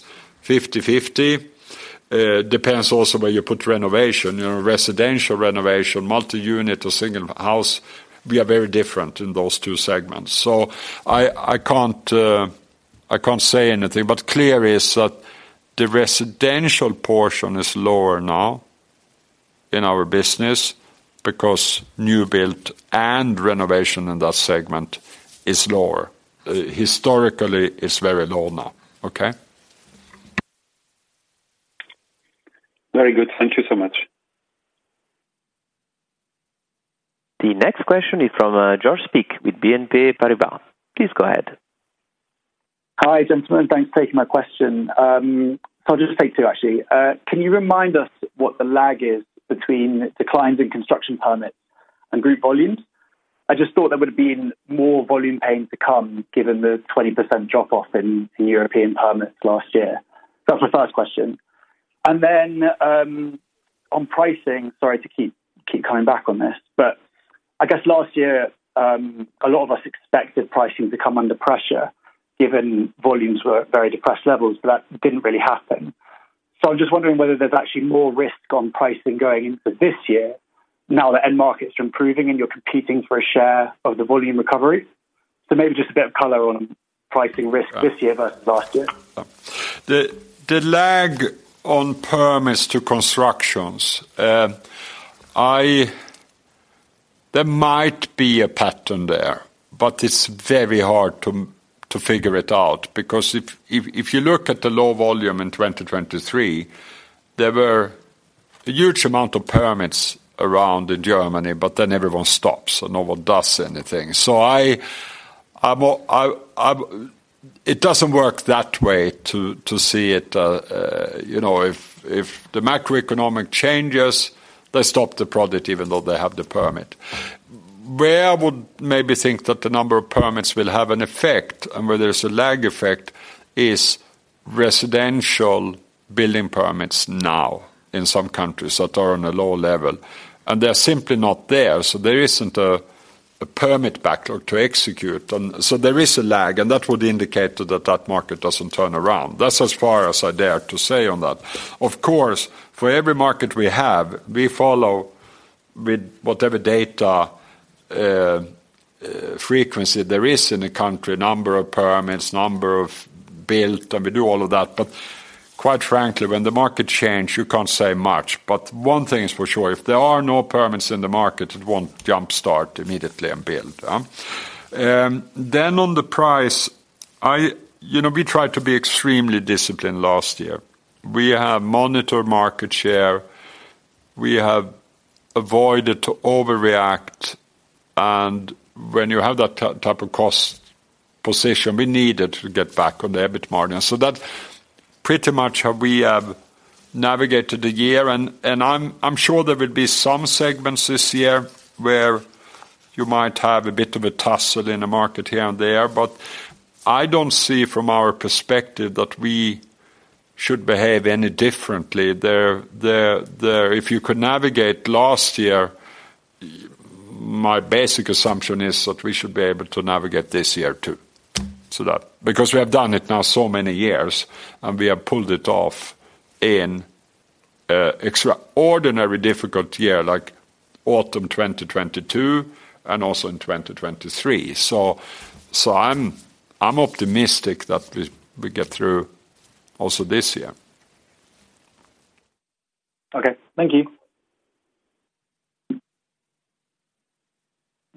50/50, depends also where you put renovation, you know, residential renovation, multi-unit or single house, we are very different in those two segments. So I can't say anything, but clear is that the residential portion is lower now in our business because new build and renovation in that segment is lower. Historically, it's very low now. Okay? Very good. Thank you so much. The next question is from George Speak with BNP Paribas. Please go ahead. Hi, gentlemen. Thanks for taking my question. So I'll just take two, actually. Can you remind us what the lag is between declines in construction permits and group volumes? I just thought there would have been more volume pain to come, given the 20% drop-off in European permits last year. That's my first question. And then, on pricing, sorry to keep coming back on this, but I guess last year, a lot of us expected pricing to come under pressure, given volumes were at very depressed levels, but that didn't really happen. So I'm just wondering whether there's actually more risk on pricing going into this year now that end markets are improving and you're competing for a share of the volume recovery. So maybe just a bit of color on pricing risk this year versus last year. The lag on permits to constructions. There might be a pattern there, but it's very hard to figure it out, because if you look at the low volume in 2023, there were a huge amount of permits around in Germany, but then everyone stops, and no one does anything. So It doesn't work that way to see it. You know, if the macroeconomic changes, they stop the project, even though they have the permit. Where I would maybe think that the number of permits will have an effect and where there's a lag effect is residential building permits now in some countries that are on a low level, and they're simply not there, so there isn't a permit backlog to execute on. So there is a lag, and that would indicate that, that market doesn't turn around. That's as far as I dare to say on that. Of course, for every market we have, we follow with whatever data, frequency there is in the country, number of permits, number of build, and we do all of that. But quite frankly, when the market change, you can't say much. But one thing is for sure, if there are no permits in the market, it won't jumpstart immediately and build. Then on the price, I you know, we tried to be extremely disciplined last year. We have monitored market share, we have avoided to overreact, and when you have that type of cost position, we needed to get back on the EBIT margin. So that's pretty much how we have navigated the year, and I'm sure there will be some segments this year where you might have a bit of a tussle in the market here and there, but I don't see from our perspective that we should behave any differently. If you could navigate last year, my basic assumption is that we should be able to navigate this year, too. So that's because we have done it now so many years, and we have pulled it off in an extraordinarily difficult year, like autumn 2022 and also in 2023. So I'm optimistic that we get through also this year. Okay, thank you.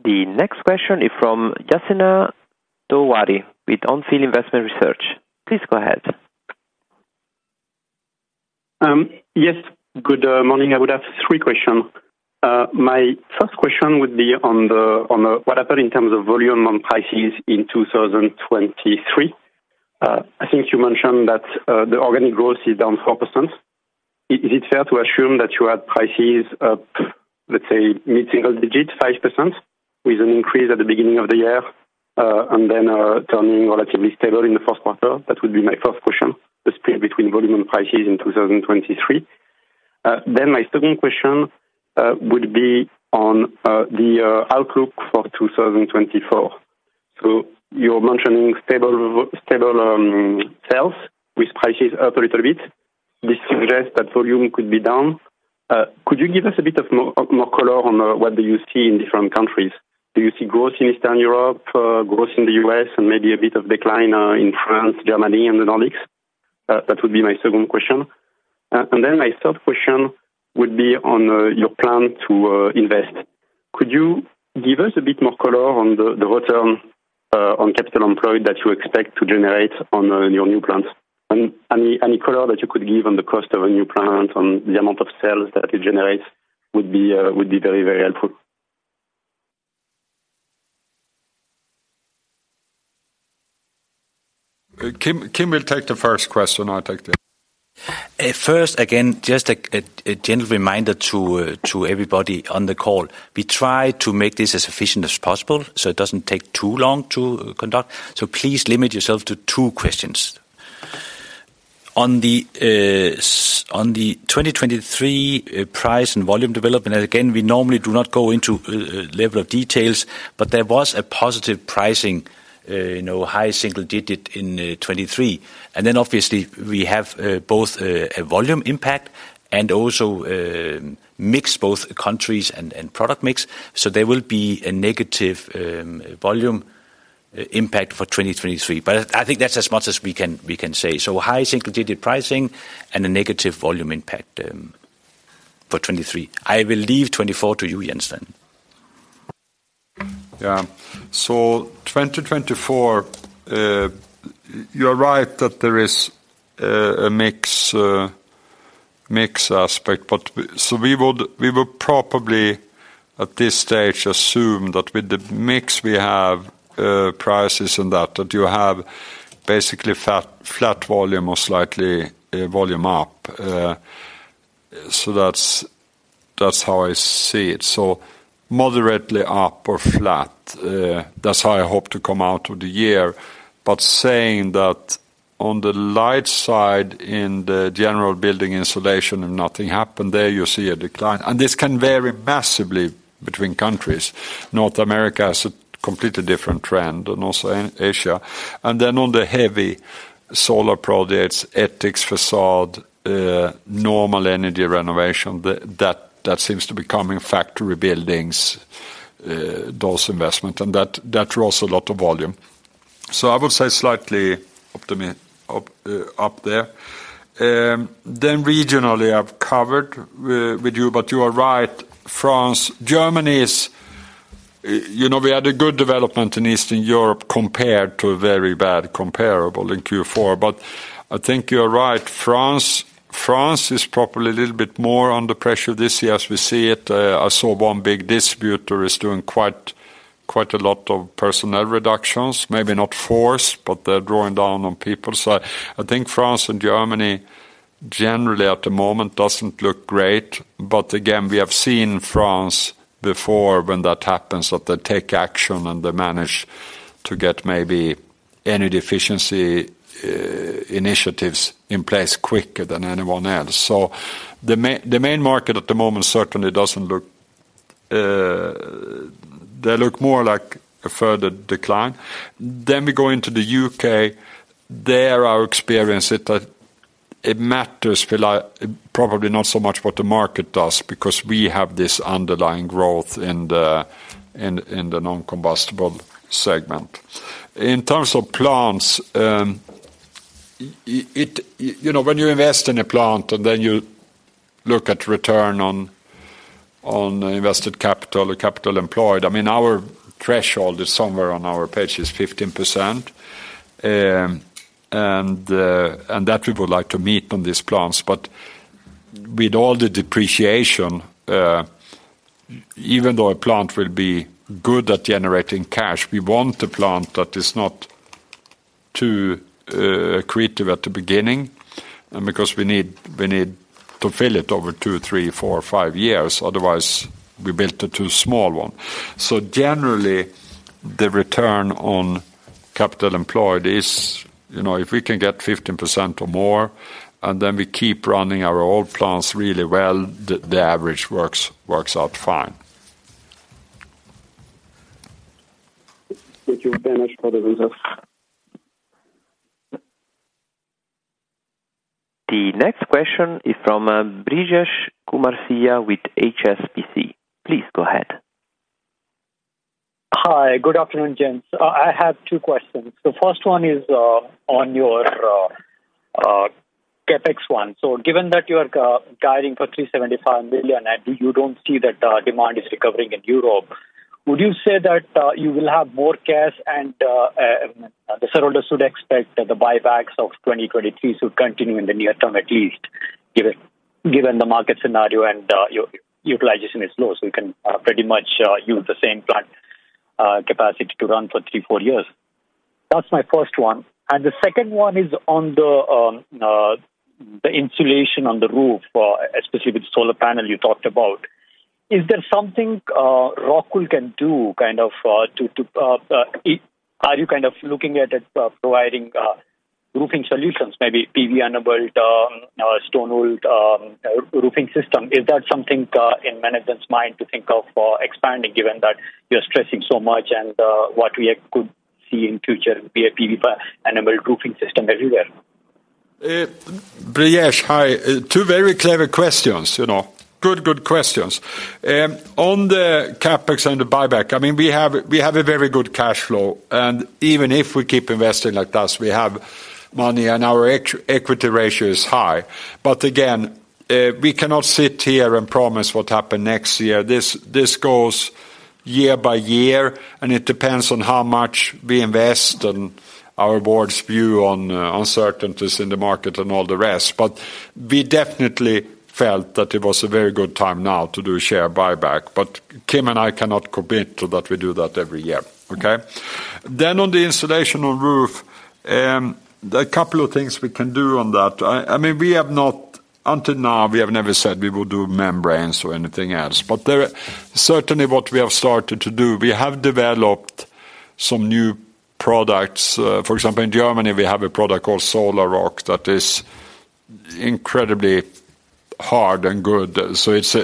The next question is from Yassine Touahri with Onfield Investment Research. Please go ahead. Yes, good morning. I would have three questions. My first question would be on what happened in terms of volume and prices in 2023? I think you mentioned that the organic growth is down 4%. Is it fair to assume that you had prices up, let's say, mid single digits, 5%, with an increase at the beginning of the year, and then turning relatively stable in the first quarter? That would be my first question, the split between volume and prices in 2023. Then my second question would be on the outlook for 2024. So you're mentioning stable sales with prices up a little bit. This suggests that volume could be down. Could you give us a bit more color on what do you see in different countries? Do you see growth in Eastern Europe, growth in the U.S., and maybe a bit of decline in France, Germany, and the Nordics? That would be my second question. And then my third question would be on your plan to invest. Could you give us a bit more color on the return on capital employed that you expect to generate on your new plants? And any color that you could give on the cost of a new plant, on the amount of sales that it generates would be very, very helpful. Kim, Kim will take the first question, I'll take the... First, again, just a gentle reminder to everybody on the call: we try to make this as efficient as possible, so it doesn't take too long to conduct, so please limit yourself to two questions. On the 2023 price and volume development, and again, we normally do not go into level of details, but there was a positive pricing, you know, high single digit in 2023. And then, obviously, we have both a volume impact and also mix both countries and product mix. So there will be a negative volume impact for 2023, but I think that's as much as we can, we can say. So high single digit pricing and a negative volume impact for 2023. I will leave 2024 to you, Jens. Yeah. So 2024, you're right that there is a mix aspect, but we would probably, at this stage, assume that with the mix, we have prices and that you have basically flat volume or slightly volume up. So that's how I see it. So moderately up or flat, that's how I hope to come out of the year. But saying that on the light side, in the general building insulation and nothing happened there, you see a decline. And this can vary massively between countries. North America has a completely different trend, and also in Asia. And then on the heavy solar projects, aesthetics, facade, normal energy renovation, that seems to be coming, factory buildings, those investment, and that draws a lot of volume. So I would say slightly optimistic, up there. Then regionally, I've covered with you, but you are right. France, Germany is. You know, we had a good development in Eastern Europe compared to a very bad comparable in Q4. But I think you're right, France is probably a little bit more under pressure this year as we see it. I saw one big distributor is doing quite a lot of personnel reductions, maybe not forced, but they're drawing down on people. So I think France and Germany, generally at the moment, doesn't look great. But again, we have seen France before, when that happens, that they take action, and they manage to get maybe any deficiency initiatives in place quicker than anyone else. So the main market at the moment certainly doesn't look. They look more like a further decline. Then we go into the U.K., there our experience is that it matters, probably not so much what the market does, because we have this underlying growth in the non-combustible segment. In terms of plants, you know, when you invest in a plant, and then you look at return on invested capital or capital employed, I mean, our threshold is somewhere on our page is 15%, and that we would like to meet on these plants. But with all the depreciation, even though a plant will be good at generating cash, we want a plant that is not too creative at the beginning, because we need to fill it over 2, 3, 4, 5 years, otherwise, we built a too small one. So generally, the return on capital employed is, you know, if we can get 15% or more, and then we keep running our old plants really well, the average works out fine. Thank you very much for the results. The next question is from, Brijesh Siya with HSBC. Please go ahead. Hi, good afternoon, gents. I have two questions. The first one is on your CapEx one. So given that you are guiding for 375 million, and you don't see that demand is recovering in Europe, would you say that you will have more cash, and the shareholders should expect that the buybacks of 2023 to continue in the near term, at least, given the market scenario and your utilization is low, so you can pretty much use the same plant capacity to run for 3-4 years? That's my first one. The second one is on the insulation on the roof, especially with solar panel you talked about. Is there something ROCKWOOL can do, kind of, to- are you kind of looking at it, providing roofing solutions, maybe PV enabled, or stone wool roofing system? Is that something in management's mind to think of for expanding, given that you're stressing so much and what we could see in future be a PV enabled roofing system everywhere? Brijesh, hi. Two very clever questions, you know. Good, good questions. On the CapEx and the buyback, I mean, we have, we have a very good cash flow, and even if we keep investing like this, we have money, and our equity ratio is high. But again, we cannot sit here and promise what happen next year. This, this goes year by year, and it depends on how much we invest and our board's view on uncertainties in the market and all the rest. But we definitely felt that it was a very good time now to do a share buyback, but Kim and I cannot commit to that we do that every year, okay? Then on the installation on roof, there are a couple of things we can do on that. I mean, we have not—until now, we have never said we will do membranes or anything else, but there are... Certainly, what we have started to do, we have developed some new products. For example, in Germany, we have a product called Solar Rock, that is incredibly hard and good. So it's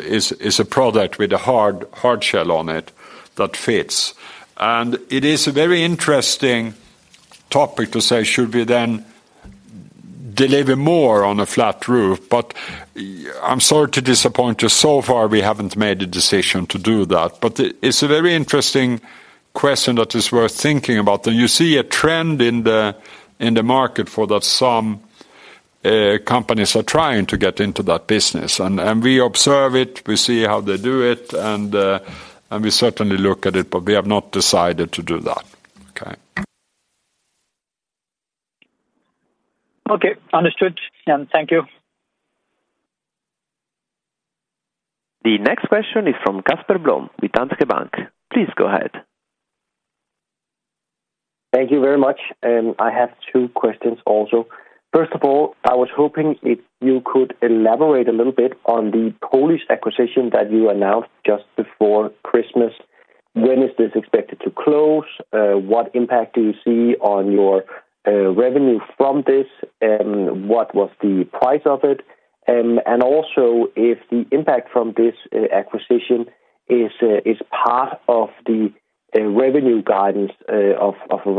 a product with a hard, hard shell on it that fits. And it is a very interesting topic to say, should we then deliver more on a flat roof? But I'm sorry to disappoint you. So far, we haven't made a decision to do that, but it's a very interesting question that is worth thinking about. Then you see a trend in the market for that some companies are trying to get into that business, and we observe it, we see how they do it, and we certainly look at it, but we have not decided to do that. Okay? Okay, understood, and thank you. The next question is from Casper Blom, with Danske Bank. Please go ahead. Thank you very much, and I have two questions also. First of all, I was hoping if you could elaborate a little bit on the Polish acquisition that you announced just before Christmas. When is this expected to close? What impact do you see on your revenue from this, and what was the price of it? And also, if the impact from this acquisition is part of the revenue guidance of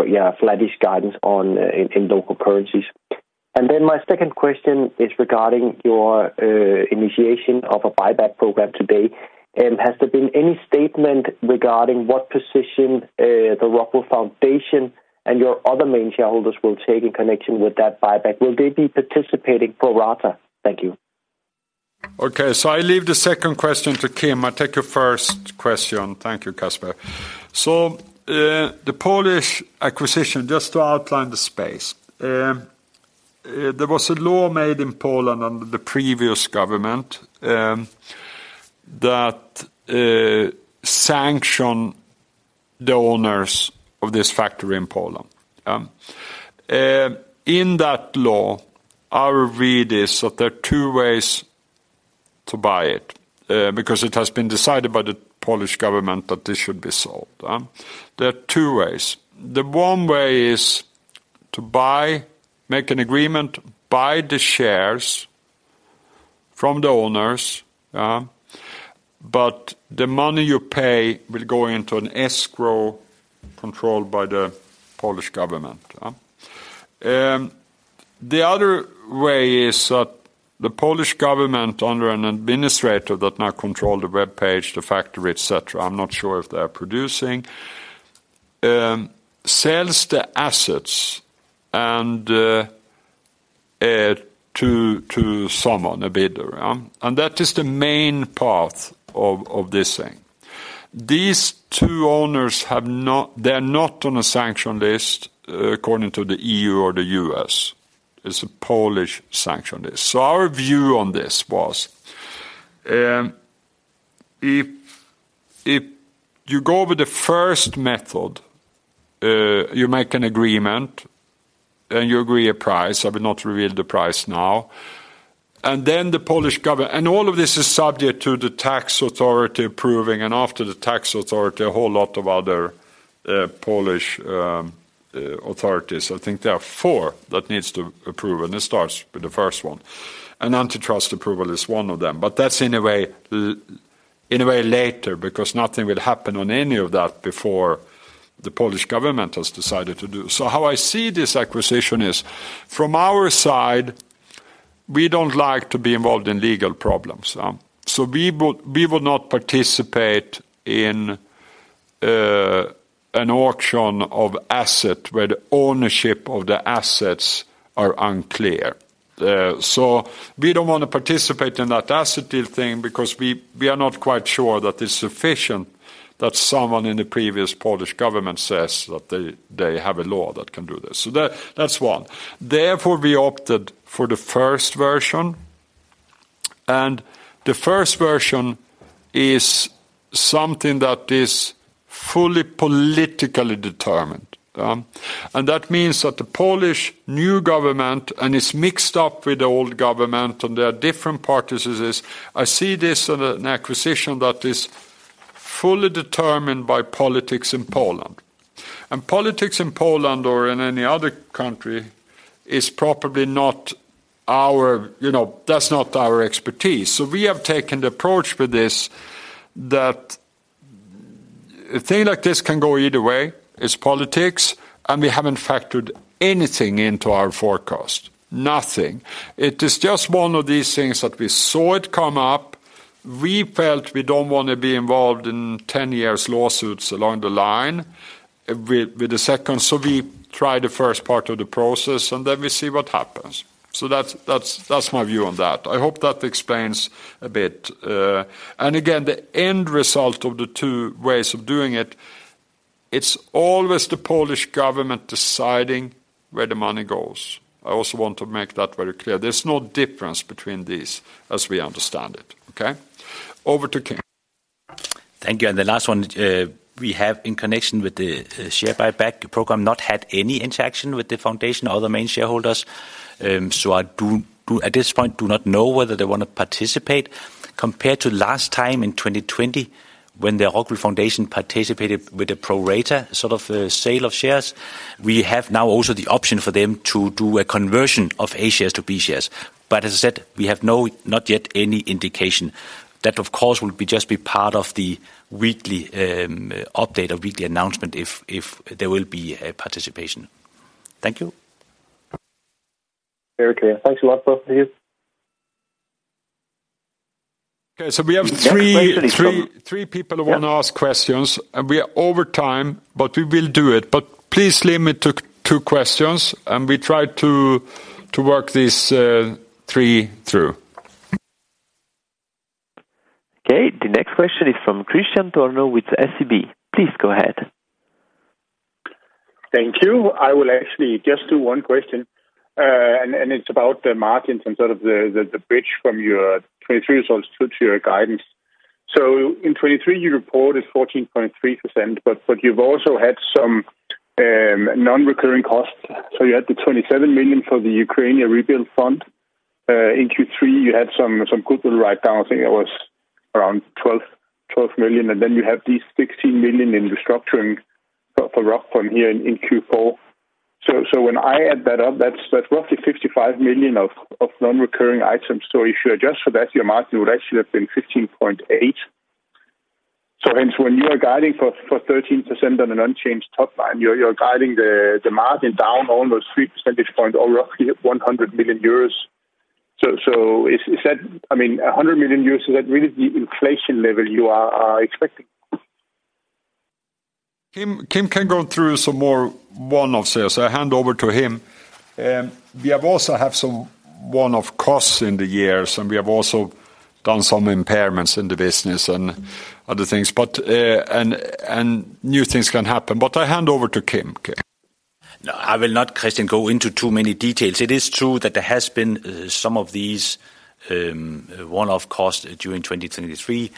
yeah, flattish guidance on in local currencies. And then my second question is regarding your initiation of a buyback program today. Has there been any statement regarding what position the ROCKWOOL Foundation and your other main shareholders will take in connection with that buyback? Will they be participating pro rata? Thank you. Okay, so I leave the second question to Kim. I take your first question. Thank you, Kasper. So, the Polish acquisition, just to outline the space. There was a law made in Poland under the previous government, that sanction the owners of this factory in Poland. In that law, I read this, that there are two ways to buy it, because it has been decided by the Polish government that this should be sold. There are two ways. The one way is to buy, make an agreement, buy the shares from the owners, but the money you pay will go into an escrow controlled by the Polish government. The other way is that the Polish government, under an administrator that now control the web page, the factory, et cetera, I'm not sure if they are producing, sells the assets and to someone, a bidder. And that is the main path of this thing. These two owners have not—they're not on a sanction list according to the EU or the U.S. It's a Polish sanction list. So our view on this was, if you go with the first method, you make an agreement, and you agree a price. I will not reveal the price now. And then the Polish government—And all of this is subject to the tax authority approving, and after the tax authority, a whole lot of other Polish authorities. I think there are four that needs to approve, and it starts with the first one, and antitrust approval is one of them. But that's in a way later, because nothing will happen on any of that before the Polish government has decided to do. So how I see this acquisition is, from our side, we don't like to be involved in legal problems, so we would not participate in an auction of asset where the ownership of the assets are unclear. So we don't want to participate in that asset deal thing because we are not quite sure that it's sufficient that someone in the previous Polish government says that they have a law that can do this. So that's one. Therefore, we opted for the first version, and the first version is something that is fully politically determined, and that means that the Polish new government, and it's mixed up with the old government, and there are different parties. I see this as an acquisition that is fully determined by politics in Poland. And politics in Poland or in any other country is probably not our... You know, that's not our expertise. So we have taken the approach with this, that a thing like this can go either way, it's politics, and we haven't factored anything into our forecast. Nothing. It is just one of these things that we saw it come up. We felt we don't want to be involved in ten years lawsuits along the line with the second, so we tried the first part of the process, and then we see what happens. So that's my view on that. I hope that explains a bit. And again, the end result of the two ways of doing it, it's always the Polish government deciding where the money goes. I also want to make that very clear. There's no difference between these as we understand it, okay? Over to Kim. Thank you. And the last one, we have in connection with the share buyback program, not had any interaction with the foundation or other main shareholders. So I do at this point not know whether they want to participate. Compared to last time in 2020, when the ROCKWOOL Foundation participated with a pro rata sort of sale of shares, we have now also the option for them to do a conversion of A shares to B shares. But as I said, we have not yet any indication. That, of course, will just be part of the weekly update or weekly announcement, if there will be a participation. Thank you. Very clear. Thanks a lot, both of you. Okay, so we have three- Yeah... three, three people who want to ask questions, and we are over time, but we will do it. But please limit to two questions, and we try to work these three through. Okay, the next question is from Kristian Tornøe with SEB. Please go ahead. Thank you. I will actually just do one question, and it's about the margins and sort of the bridge from your 2023 results to your guidance. So in 2023, you reported 14.3%, but you've also had some non-recurring costs. So you had the 27 million for the Ukrainian rebuild fund. In Q3, you had some goodwill write-down. I think it was around 12 million, and then you have these 16 million in restructuring for Rockfon here in Q4. So when I add that up, that's roughly 55 million of non-recurring items. So if you adjust for that, your margin would actually have been 15.8%. So hence, when you are guiding for 13% on an unchanged top line, you're guiding the margin down almost three percentage points or roughly 100 million euros. So, is that—I mean, 100 million euros, is that really the inflation level you are expecting? Kim, Kim can go through some more one-offs there, so I hand over to him. We also have some one-off costs in the years, and we have also done some impairments in the business and other things, but and new things can happen. I hand over to Kim. Kim? No, I will not, Christian, go into too many details. It is true that there has been some of these one-off costs during 2023.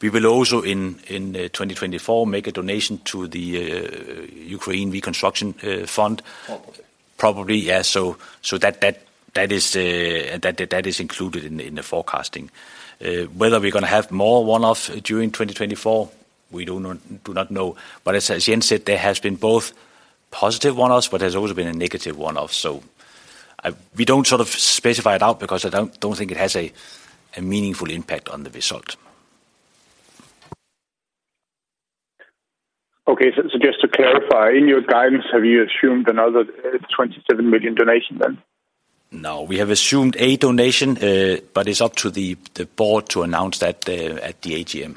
We will also in 2024 make a donation to the Ukraine Reconstruction Fund. Okay. Probably, yeah. So that is included in the forecasting. Whether we're gonna have more one-off during 2024, we do not know. But as Jens said, there has been both positive one-offs, but there's also been a negative one-off. So we don't sort of specify it out because I don't think it has a meaningful impact on the result. Okay. So, so just to clarify, in your guidance, have you assumed another 27 million donation then? No, we have assumed a donation, but it's up to the board to announce that at the AGM.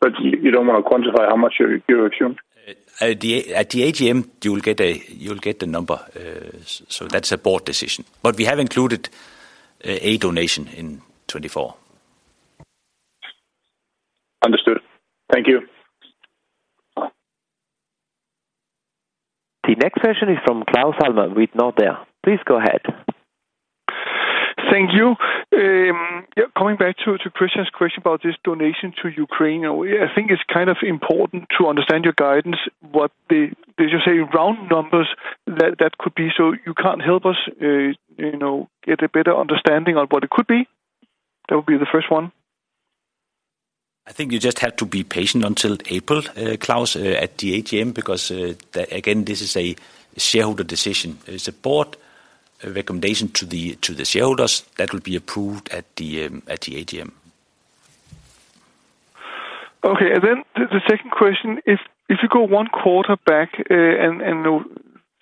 But you don't want to quantify how much you assumed? At the AGM, you will get a—you'll get the number. That's a board decision. But we have included a donation in 2024. Understood. Thank you. The next question is from Claus Almer with Nordea. Please go ahead. Thank you. Yeah, coming back to, to Christian's question about this donation to Ukraine. I think it's kind of important to understand your guidance, what the, did you say round numbers that, that could be so you can't help us, you know, get a better understanding of what it could be? That would be the first one. I think you just have to be patient until April, Claus, at the AGM, because, the... Again, this is a shareholder decision. It's a board recommendation to the, to the shareholders that will be approved at the, at the AGM. Okay. And then the second question, if you go one quarter back, and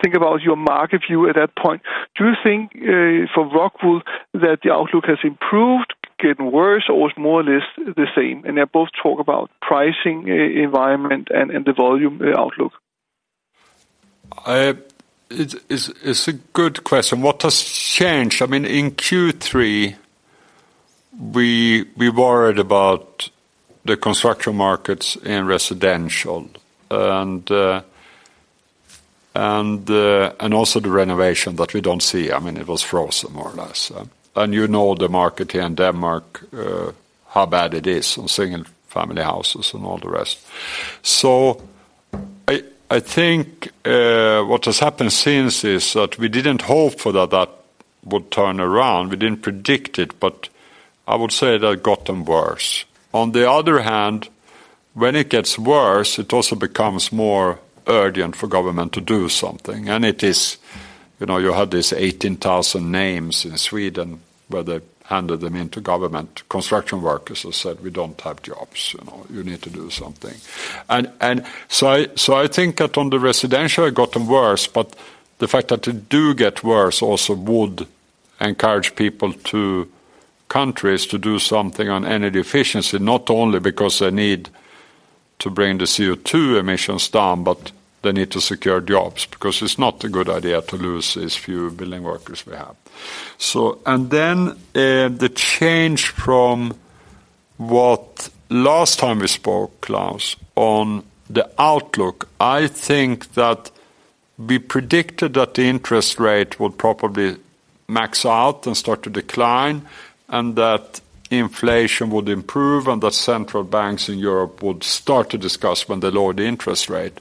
think about your market view at that point, do you think, for ROCKWOOL, that the outlook has improved, getting worse, or is more or less the same? And they both talk about pricing, environment, and the volume outlook. It's a good question. What has changed? I mean, in Q3, we worried about the construction markets in residential and also the renovation that we don't see. I mean, it was frozen, more or less. And you know, the market here in Denmark, how bad it is on single-family houses and all the rest. So I think, what has happened since is that we didn't hope for that that would turn around. We didn't predict it, but I would say that it gotten worse. On the other hand, when it gets worse, it also becomes more urgent for government to do something. And it is, you know, you had these 18,000 names in Sweden, where they handed them into government. Construction workers who said, "We don't have jobs, you know, you need to do something." And, and so I, so I think that on the residential, it gotten worse, but the fact that it do get worse also would encourage people to countries to do something on energy efficiency, not only because they need to bring the CO2 emissions down, but they need to secure jobs, because it's not a good idea to lose these few billion workers we have. So and then, the change from what last time we spoke, Claus, on the outlook, I think that we predicted that the interest rate would probably max out and start to decline, and that inflation would improve, and that central banks in Europe would start to discuss when they lower the interest rate.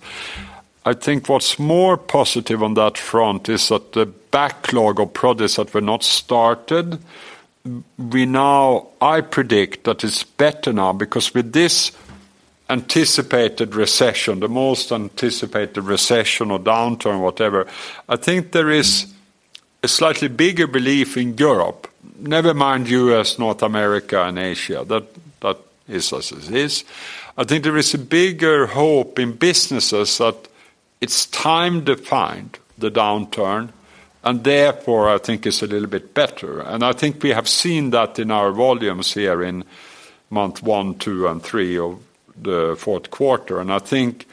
I think what's more positive on that front is that the backlog of projects that were not started. We now—I predict that it's better now, because with this anticipated recession, the most anticipated recession or downturn, whatever. I think there is a slightly bigger belief in Europe. Never mind U.S., North America, and Asia, that is as it is. I think there is a bigger hope in businesses that it's time to find the downturn, and therefore, I think it's a little bit better. I think we have seen that in our volumes here in month 1, 2, and 3 of the fourth quarter. I think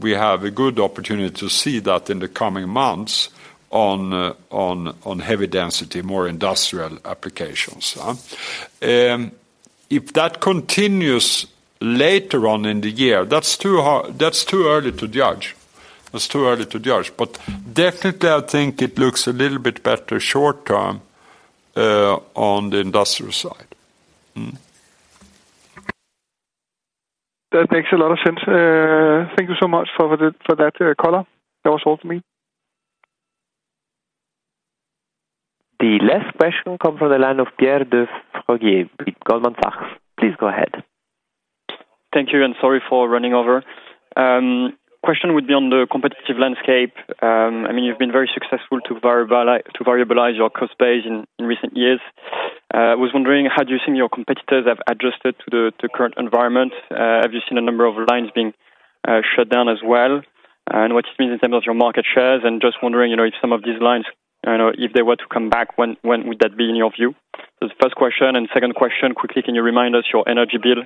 we have a good opportunity to see that in the coming months on, on heavy density, more industrial applications. If that continues later on in the year, that's too hard—that's too early to judge. That's too early to judge, but definitely, I think it looks a little bit better short term, on the industrial side. That makes a lot of sense. Thank you so much for the, for that, call. That was all for me. The last question come from the line of Pierre de Fraguier with Goldman Sachs. Please go ahead. Thank you, and sorry for running over. Question would be on the competitive landscape. I mean, you've been very successful to variabilize, to variabilize your cost base in recent years. I was wondering, how do you think your competitors have adjusted to the current environment? Have you seen a number of lines being shut down as well? And what you mean in terms of your market shares, and just wondering, you know, if some of these lines, you know, if they were to come back, when would that be in your view? So the first question and second question, quickly, can you remind us your energy bill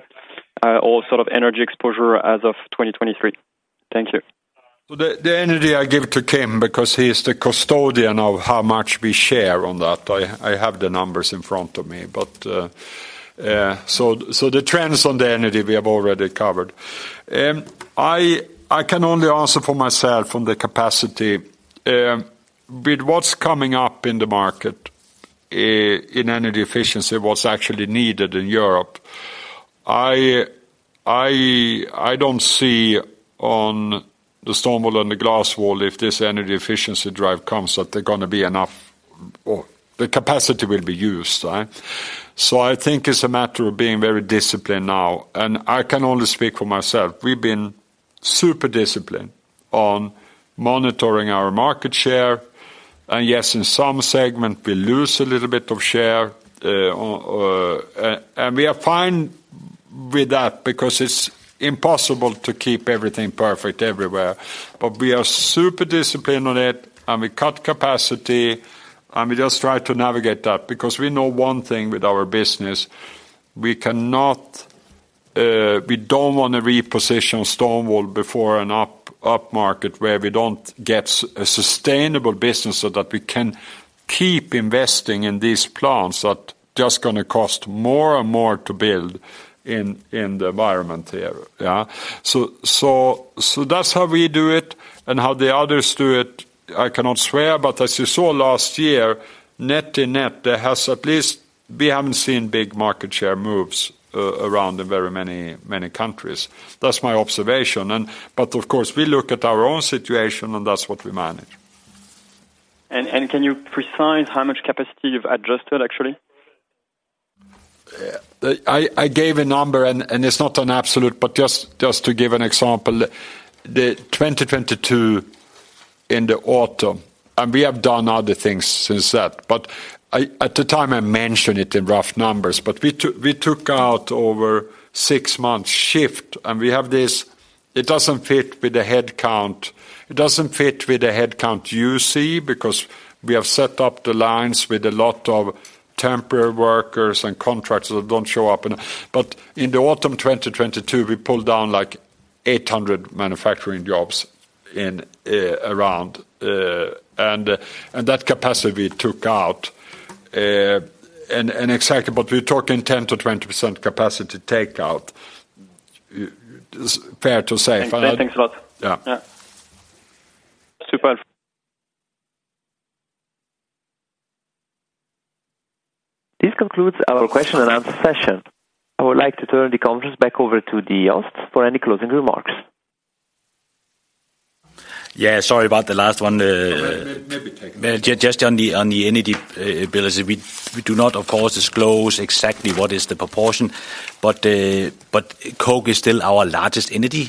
or sort of energy exposure as of 2023? Thank you. So the energy I give to Kim, because he is the custodian of how much we share on that. I have the numbers in front of me, but the trends on the energy we have already covered. I can only answer for myself on the capacity, with what's coming up in the market, in energy efficiency, what's actually needed in Europe, I don't see on the stone wool and the glass wool, if this energy efficiency drive comes, that they're gonna be enough... or the capacity will be used, right? So I think it's a matter of being very disciplined now, and I can only speak for myself. We've been super disciplined on monitoring our market share. Yes, in some segment, we lose a little bit of share, and we are fine with that because it's impossible to keep everything perfect everywhere. But we are super disciplined on it, and we cut capacity, and we just try to navigate that, because we know one thing with our business: we cannot, we don't wanna reposition stone wool before an up market where we don't get a sustainable business so that we can keep investing in these plants, that just gonna cost more and more to build in the environment here. So, so, so that's how we do it, and how the others do it, I cannot say, but as you saw last year, net to net, there has at least we haven't seen big market share moves around in very many countries. That's my observation, but of course, we look at our own situation, and that's what we manage. Can you specify how much capacity you've adjusted, actually? I gave a number, and it's not an absolute, but just to give an example, the 2022 in the autumn, and we have done other things since that. But at the time, I mentioned it in rough numbers, but we took out over six months shift, and we have this. It doesn't fit with the headcount. It doesn't fit with the headcount you see, because we have set up the lines with a lot of temporary workers and contractors that don't show up in a- But in the autumn of 2022, we pulled down, like, 800 manufacturing jobs in around, and that capacity we took out, and exactly, but we're talking 10%-20% capacity takeout, fair to say. Thanks a lot. Yeah. Yeah. Superb. This concludes our question and answer session. I would like to turn the conference back over to the hosts for any closing remarks. Yeah, sorry about the last one. Maybe take- Just on the energy bill. As we do not, of course, disclose exactly what is the proportion, but coke is still our largest energy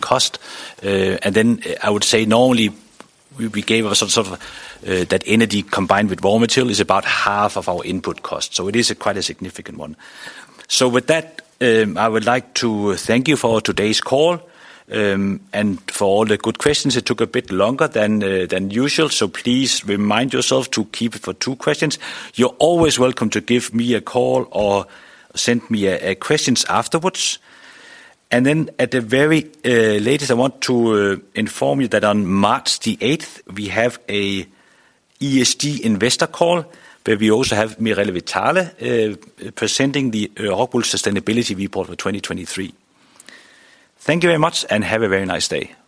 cost. And then I would say normally we gave ourself sort of that energy combined with raw material is about half of our input cost, so it is quite a significant one. So with that, I would like to thank you for today's call and for all the good questions. It took a bit longer than usual, so please remind yourself to keep it to two questions. You're always welcome to give me a call or send me questions afterwards. And then at the very latest, I want to inform you that on March the eighth, we have a ESG investor call, where we also have Mirella Vitale presenting the Rockwool Sustainability Report for 2023. Thank you very much, and have a very nice day.